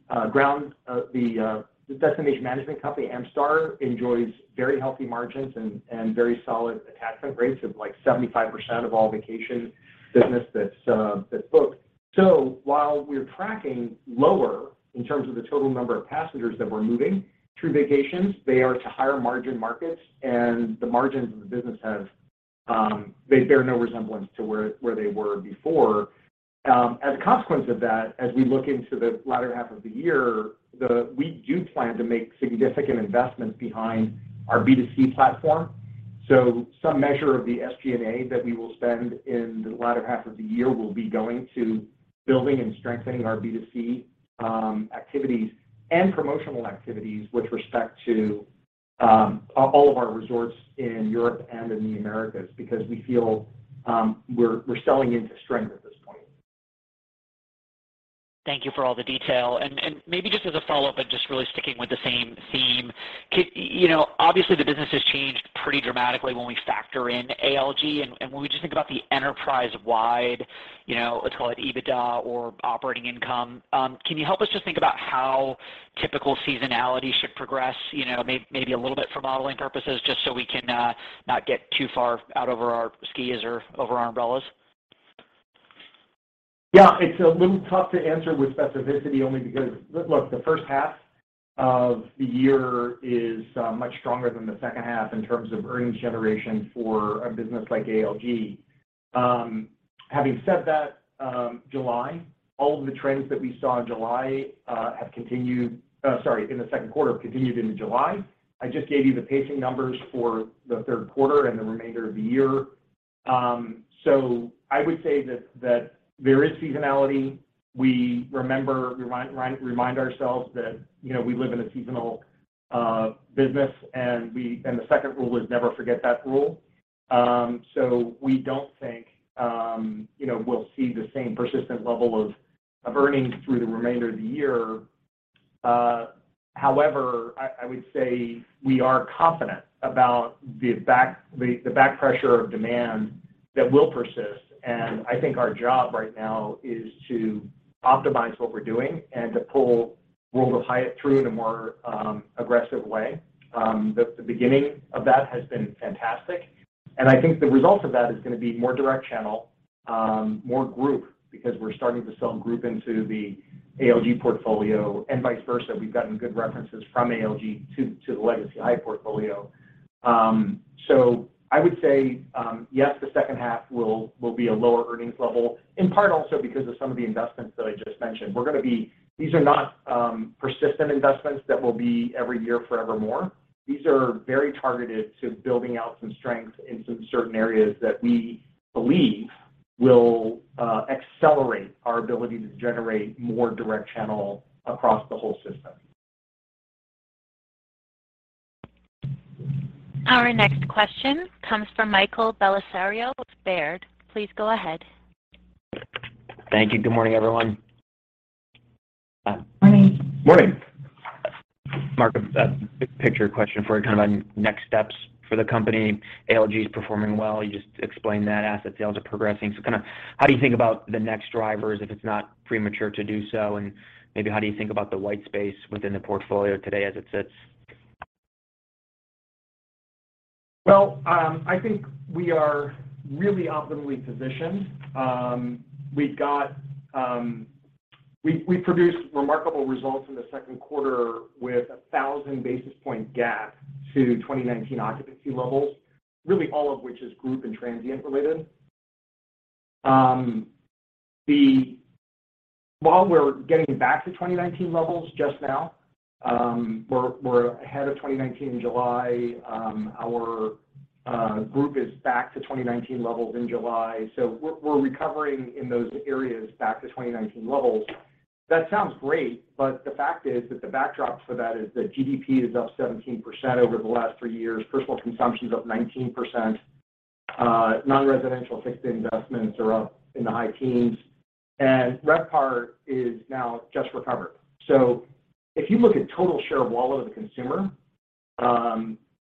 [SPEAKER 3] destination management company, Amstar, enjoys very healthy margins and very solid attachment rates of like 75% of all vacation business that's booked. While we are tracking lower in terms of the total number of passengers that we're moving through vacations, they are to higher margin markets and the margins of the business, they bear no resemblance to where they were before. As a consequence of that, as we look into the latter half of the year, we do plan to make significant investments behind our B2C platform. Some measure of the SG&A that we will spend in the latter half of the year will be going to building and strengthening our B2C activities and promotional activities with respect to all of our resorts in Europe and in the Americas because we feel we're selling into strength at this point.
[SPEAKER 6] Thank you for all the detail. Maybe just as a follow-up and just really sticking with the same theme. You know, obviously the business has changed pretty dramatically when we factor in ALG and when we just think about the enterprise-wide, you know, let's call it EBITDA or operating income. Can you help us just think about how typical seasonality should progress? You know, maybe a little bit for modeling purposes, just so we can not get too far out over our skis or over our umbrellas.
[SPEAKER 3] Yeah, it's a little tough to answer with specificity only because look, the first half of the year is much stronger than the second half in terms of earnings generation for a business like ALG. Having said that, all of the trends that we saw in the second quarter have continued into July. I just gave you the pacing numbers for the third quarter and the remainder of the year. So I would say that there is seasonality. We remember, remind ourselves that, you know, we live in a seasonal business, and the second rule is never forget that rule. So we don't think, you know, we'll see the same persistent level of earnings through the remainder of the year. However, I would say we are confident about the back pressure of demand that will persist. I think our job right now is to optimize what we're doing and to pull World of Hyatt through in a more aggressive way. The beginning of that has been fantastic, and I think the result of that is gonna be more direct channel, more group because we're starting to sell group into the ALG portfolio and vice versa. We've gotten good references from ALG to the Legacy Hyatt portfolio. I would say yes, the second half will be a lower earnings level, in part also because of some of the investments that I just mentioned. We're gonna be. These are not persistent investments that will be every year forevermore. These are very targeted to building out some strength in some certain areas that we believe will accelerate our ability to generate more direct channel across the whole system.
[SPEAKER 1] Our next question comes from Michael Bellisario with Baird. Please go ahead.
[SPEAKER 7] Thank you. Good morning, everyone.
[SPEAKER 3] Morning. Mark, a big picture question for you kind of on next steps for the company. ALG is performing well. You just explained that asset sales are progressing. Kind of how do you think about the next drivers, if it's not premature to do so? Maybe how do you think about the white space within the portfolio today as it sits? Well, I think we are really optimally positioned. We produced remarkable results in the second quarter with a 1,000 basis point gap to 2019 occupancy levels, really all of which is group and transient related. While we're getting back to 2019 levels just now, we're ahead of 2019 in July. Our group is back to 2019 levels in July. We're recovering in those areas back to 2019 levels. That sounds great, but the fact is that the backdrop for that is that GDP is up 17% over the last three years. Personal consumption is up 19%. Non-residential fixed investments are up in the high teens, and RevPAR is now just recovered. If you look at total share of wallet of the consumer,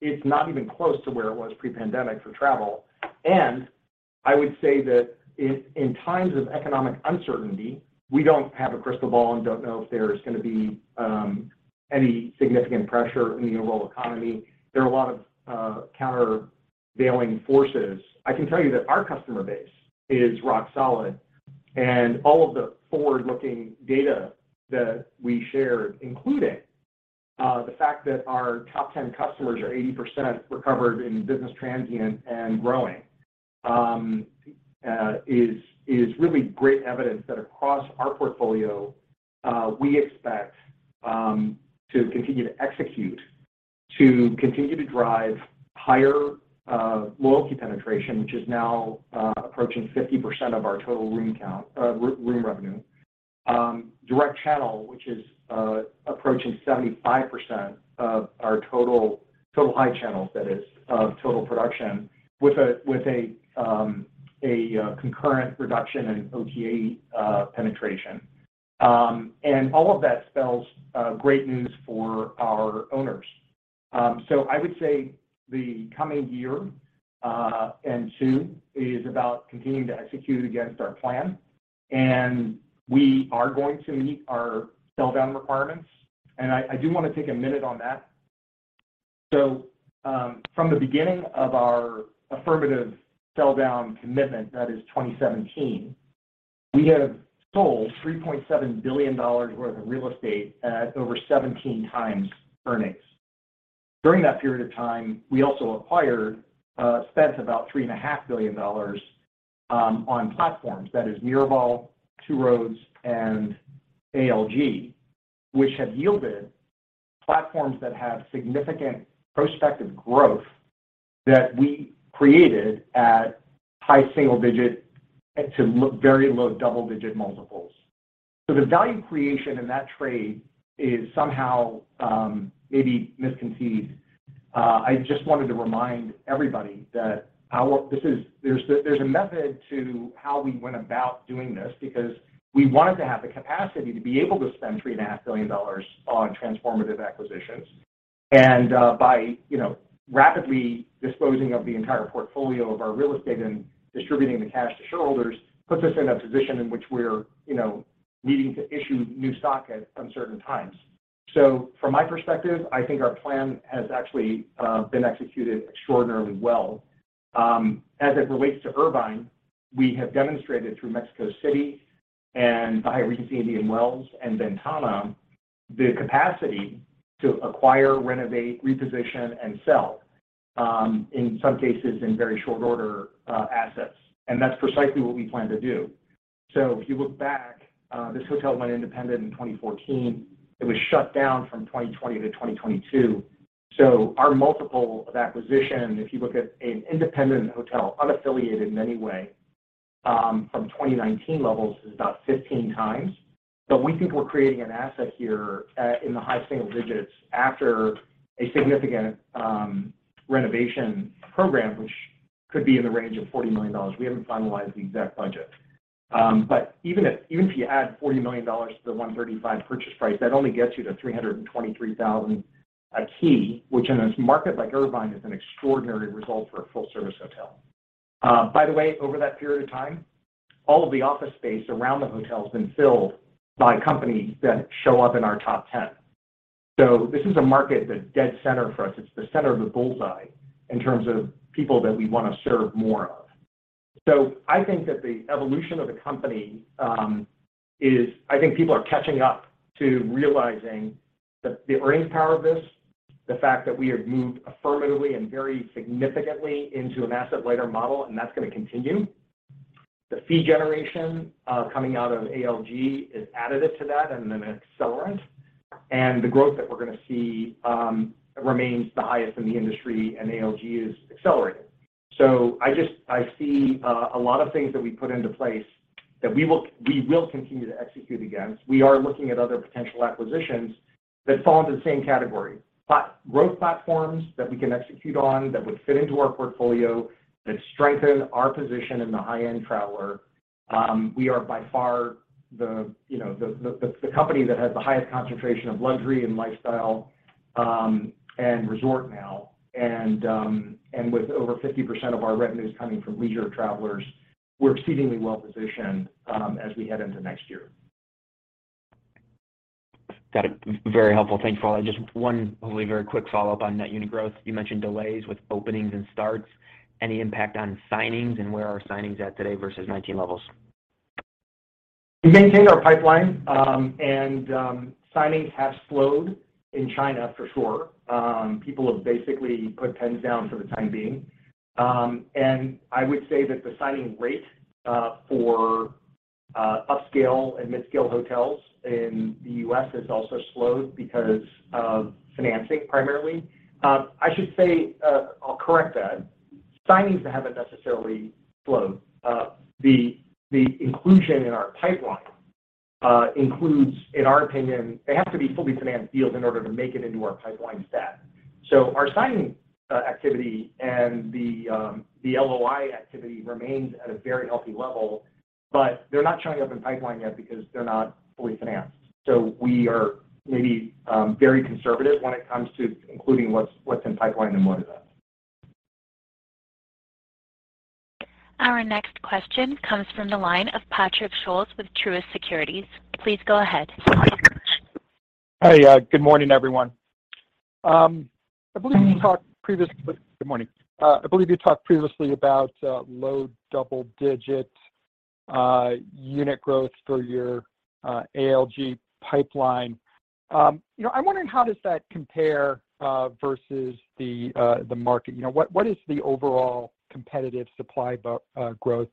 [SPEAKER 3] it's not even close to where it was pre-pandemic for travel. I would say that if in times of economic uncertainty, we don't have a crystal ball and don't know if there's going to be any significant pressure in the overall economy. There are a lot of countervailing forces. I can tell you that our customer base is rock solid. All of the forward-looking data that we shared, including the fact that our top 10 customers are 80% recovered in business transient and growing, is really great evidence that across our portfolio, we expect to continue to execute, to continue to drive higher loyalty penetration, which is now approaching 50% of our total room revenue. Direct channel, which is approaching 75% of our total Hyatt channels, that is, of total production with a concurrent reduction in OTA penetration. All of that spells great news for our owners. I would say the coming year or two is about continuing to execute against our plan, and we are going to meet our sell-down requirements. I do want to take a minute on that. From the beginning of our affirmative sell-down commitment, that is 2017, we have sold $3.7 billion worth of real estate at over 17x earnings. During that period of time, we also acquired, spent about $3.5 billion on platforms that is Miraval, Two Roads, and ALG, which have yielded platforms that have significant prospective growth that we created at high single digit to very low double-digit multiples. The value creation in that trade is somehow maybe misconceived. I just wanted to remind everybody that there's a method to how we went about doing this because we wanted to have the capacity to be able to spend $3.5 billion on transformative acquisitions. By you know rapidly disposing of the entire portfolio of our real estate and distributing the cash to shareholders puts us in a position in which we're you know needing to issue new stock at uncertain times. From my perspective, I think our plan has actually been executed extraordinarily well. As it relates to Irvine, we have demonstrated through Mexico City and the Hyatt Regency Indian Wells and Ventana the capacity to acquire, renovate, reposition, and sell in some cases in very short order assets. That's precisely what we plan to do. If you look back this hotel went independent in 2014. It was shut down from 2020 to 2022. Our multiple of acquisition, if you look at an independent hotel, unaffiliated in any way from 2019 levels is about 15x. We think we're creating an asset here in the high single digits after a significant renovation program, which could be in the range of $40 million. We haven't finalized the exact budget. Even if you add $40 million to the $135 million purchase price, that only gets you to $323,000 a key, which in a market like Irvine is an extraordinary result for a full-service hotel. By the way, over that period of time, all of the office space around the hotel has been filled by companies that show up in our top ten. This is a market that's dead center for us. It's the center of the bullseye in terms of people that we want to serve more of. I think that the evolution of the company is I think people are catching up to realizing the earning power of this, the fact that we have moved affirmatively and very significantly into an asset-lighter model, and that's going to continue. The fee generation coming out of ALG is additive to that and an accelerant. The growth that we're gonna see remains the highest in the industry, and ALG is accelerating. I just see a lot of things that we put into place that we will continue to execute against. We are looking at other potential acquisitions that fall into the same category. Growth platforms that we can execute on, that would fit into our portfolio, that strengthen our position in the high-end traveler. We are by far the, you know, the company that has the highest concentration of luxury and lifestyle, and resort now. With over 50% of our revenues coming from leisure travelers, we're exceedingly well-positioned, as we head into next year.
[SPEAKER 7] Got it. Very helpful. Thank you all. Just one really very quick follow-up on net unit growth. You mentioned delays with openings and starts. Any impact on signings and where are signings at today versus 2019 levels?
[SPEAKER 3] We maintain our pipeline, and signings have slowed in China for sure. People have basically put pens down for the time being. I would say that the signing rate for upscale and mid-scale hotels in the U.S. has also slowed because of financing, primarily. I should say, I'll correct that. Signings haven't necessarily slowed. The inclusion in our pipeline includes, in our opinion, they have to be fully financed deals in order to make it into our pipeline stat. Our signing activity and the LOI activity remains at a very healthy level, but they're not showing up in pipeline yet because they're not fully financed. We are maybe very conservative when it comes to including what's in pipeline and what is not.
[SPEAKER 1] Our next question comes from the line of Patrick Scholes with Truist Securities. Please go ahead.
[SPEAKER 8] Hi. Good morning, everyone. I believe you talked previously about low double-digit unit growth for your ALG pipeline. You know, I'm wondering, how does that compare versus the market? You know, what is the overall competitive supply growth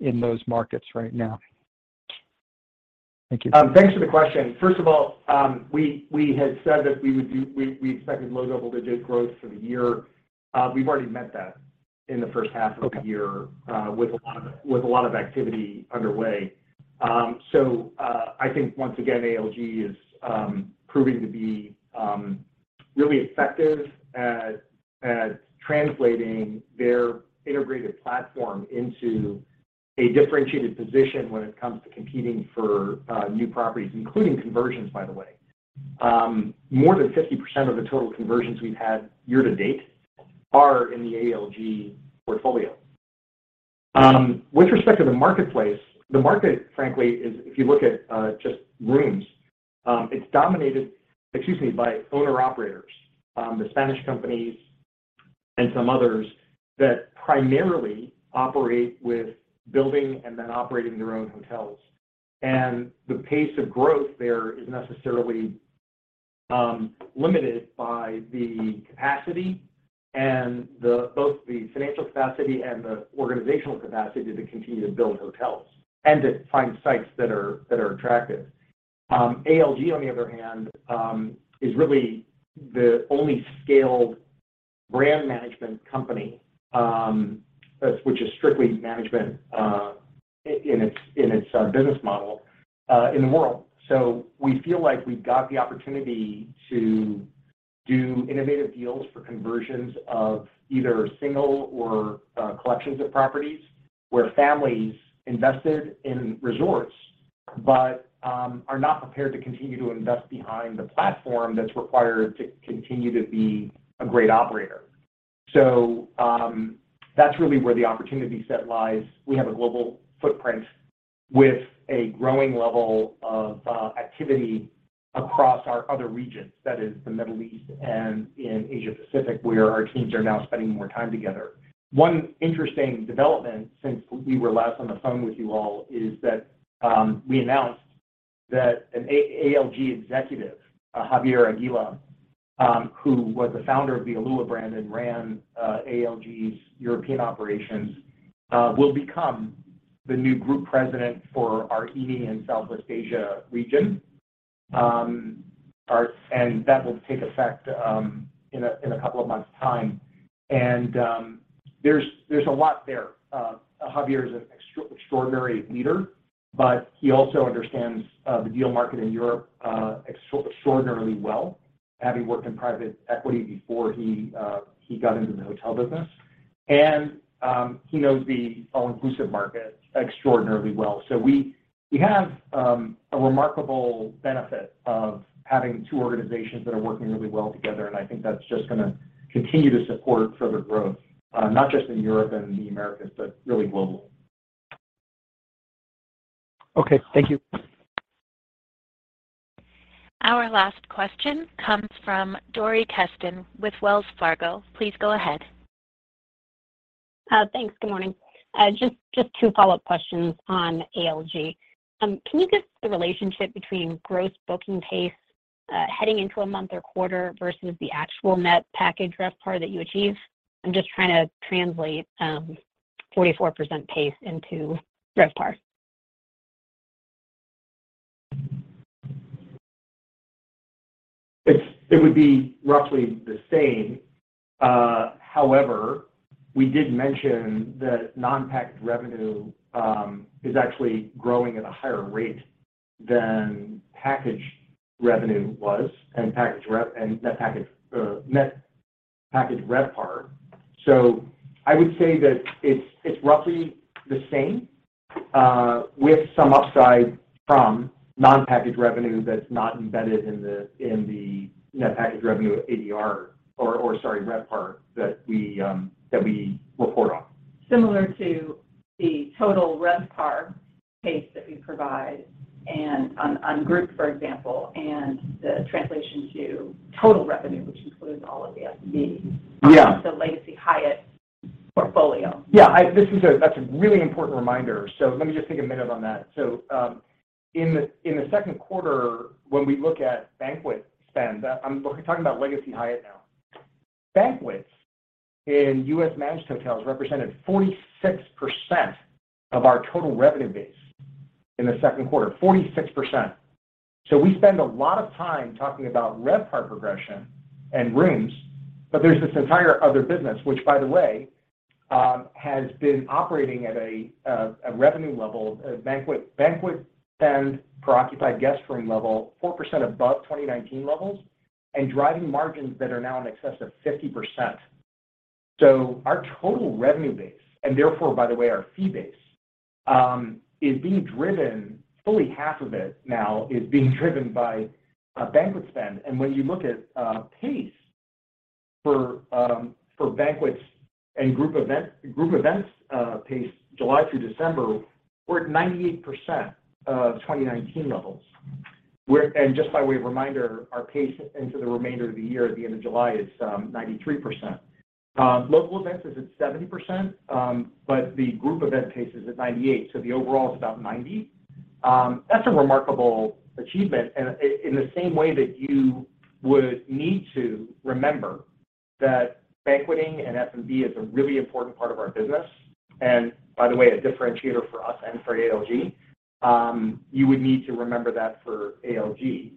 [SPEAKER 8] in those markets right now? Thank you.
[SPEAKER 3] Thanks for the question. First of all, we expected low double-digit growth for the year. We've already met that in the first half of the year with a lot of activity underway. I think once again, ALG is proving to be really effective at translating their integrated platform into a differentiated position when it comes to competing for new properties, including conversions, by the way. More than 50% of the total conversions we've had year to date are in the ALG portfolio. With respect to the marketplace, the market, frankly, if you look at just rooms, it's dominated, excuse me, by owner-operators, the Spanish companies and some others that primarily operate by building and then operating their own hotels. The pace of growth there is necessarily limited by the capacity and both the financial capacity and the organizational capacity to continue to build hotels and to find sites that are attractive. ALG, on the other hand, is really the only scaled brand management company which is strictly management in its business model in the world. We feel like we've got the opportunity to do innovative deals for conversions of either single or collections of properties where families invested in resorts, but are not prepared to continue to invest behind the platform that's required to continue to be a great operator. That's really where the opportunity set lies. We have a global footprint with a growing level of activity across our other regions. That is the Middle East and in Asia Pacific, where our teams are now spending more time together. One interesting development since we were last on the phone with you all is that we announced that an ALG executive, Javier Águila, who was the founder of the Alua brand and ran ALG's European operations, will become the new group president for our EMEIA and Southeast Asia region. That will take effect in a couple of months' time. There's a lot there. Javier is an extraordinary leader, but he also understands the deal market in Europe extraordinarily well, having worked in private equity before he got into the hotel business. He knows the all-inclusive market extraordinarily well. We have a remarkable benefit of having two organizations that are working really well together, and I think that's just gonna continue to support further growth, not just in Europe and the Americas, but really globally.
[SPEAKER 8] Okay. Thank you.
[SPEAKER 1] Our last question comes from Dori Kesten with Wells Fargo. Please go ahead.
[SPEAKER 9] Thanks. Good morning. Just two follow-up questions on ALG. Can you give the relationship between gross booking pace heading into a month or quarter versus the actual net package RevPAR that you achieve? I'm just trying to translate. 44% pace into RevPAR.
[SPEAKER 3] It would be roughly the same. However, we did mention that non-packaged revenue is actually growing at a higher rate than packaged revenue was, and net packaged RevPAR. I would say that it's roughly the same, with some upside from non-packaged revenue that's not embedded in the net packaged revenue ADR or sorry, RevPAR that we report on.
[SPEAKER 4] Similar to the total RevPAR pace that we provide and on group, for example, and the translation to total revenue, which includes all of the F&B.
[SPEAKER 3] Yeah.
[SPEAKER 4] The Legacy Hyatt portfolio.
[SPEAKER 3] That's a really important reminder. Let me just take a minute on that. In the second quarter, when we look at banquet spend, I'm talking about Legacy Hyatt now. Banquets in U.S. managed hotels represented 46% of our total revenue base in the second quarter. 46%. We spend a lot of time talking about RevPAR progression and rooms, but there's this entire other business, which, by the way, has been operating at a revenue level, a banquet spend per occupied guest room level, 4% above 2019 levels and driving margins that are now in excess of 50%. Our total revenue base, and therefore, by the way, our fee base, is being driven by banquet spend, fully half of it now. When you look at pace for banquets and group events pace July through December, we're at 98% of 2019 levels. Just by way of reminder, our pace into the remainder of the year at the end of July is 93%. Local events is at 70%, but the group event pace is at 98, so the overall is about 90. That's a remarkable achievement. In the same way that you would need to remember that banqueting and F&B is a really important part of our business, and by the way, a differentiator for us and for ALG, you would need to remember that for ALG.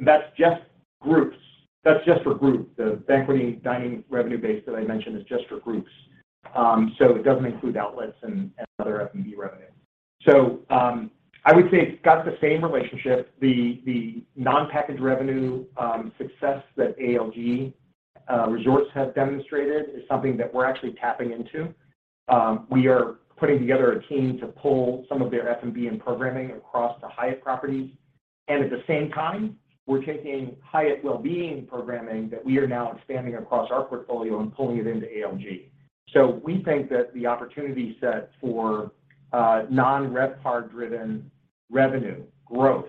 [SPEAKER 3] That's just groups. That's just for groups. The banqueting dining revenue base that I mentioned is just for groups. It doesn't include outlets and other F&B revenue. I would say it's got the same relationship. The non-packaged revenue success that ALG resorts have demonstrated is something that we're actually tapping into. We are putting together a team to pull some of their F&B and programming across to Hyatt properties. At the same time, we're taking Hyatt well-being programming that we are now expanding across our portfolio and pulling it into ALG. We think that the opportunity set for non-RevPAR driven revenue growth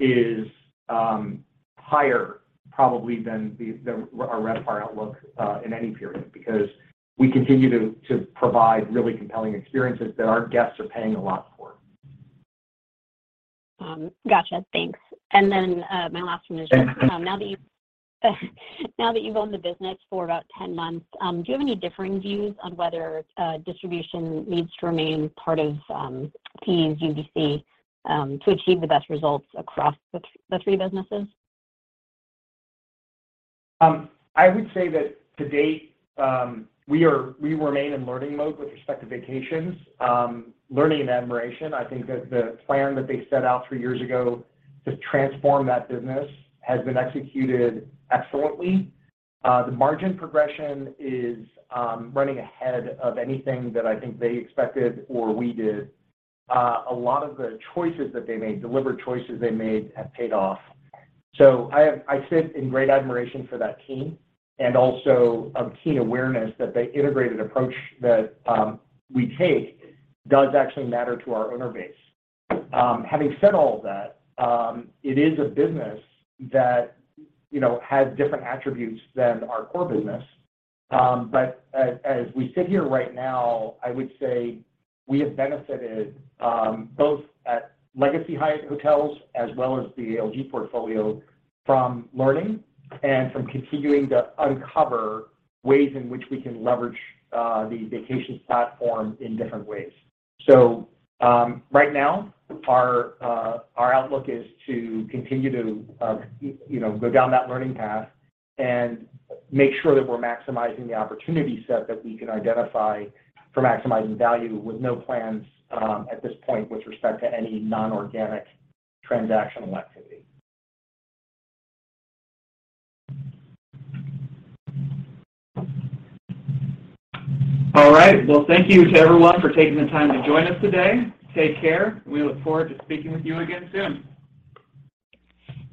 [SPEAKER 3] is higher probably than our RevPAR outlook in any period because we continue to provide really compelling experiences that our guests are paying a lot for.
[SPEAKER 9] Gotcha. Thanks. Then, my last one is, now that you've owned the business for about 10 months, do you have any differing views on whether distribution needs to remain part of team UVC to achieve the best results across the three businesses?
[SPEAKER 3] I would say that to date, we remain in learning mode with respect to vacations. Learning and admiration. I think that the plan that they set out three years ago to transform that business has been executed excellently. The margin progression is running ahead of anything that I think they expected or we did. A lot of the choices that they made, deliberate choices they made, have paid off. I sit in great admiration for that team and also a keen awareness that the integrated approach that we take does actually matter to our owner base. Having said all of that, it is a business that, you know, has different attributes than our core business. As we sit here right now, I would say we have benefited both at Legacy Hyatt Hotels as well as the ALG portfolio from learning and from continuing to uncover ways in which we can leverage the vacations platform in different ways. Right now, our outlook is to continue to you know go down that learning path and make sure that we're maximizing the opportunity set that we can identify for maximizing value with no plans at this point with respect to any non-organic transactional activity.
[SPEAKER 2] All right. Well, thank you to everyone for taking the time to join us today. Take care. We look forward to speaking with you again soon.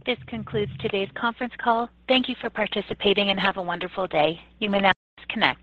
[SPEAKER 1] This concludes today's conference call. Thank you for participating, and have a wonderful day. You may now disconnect.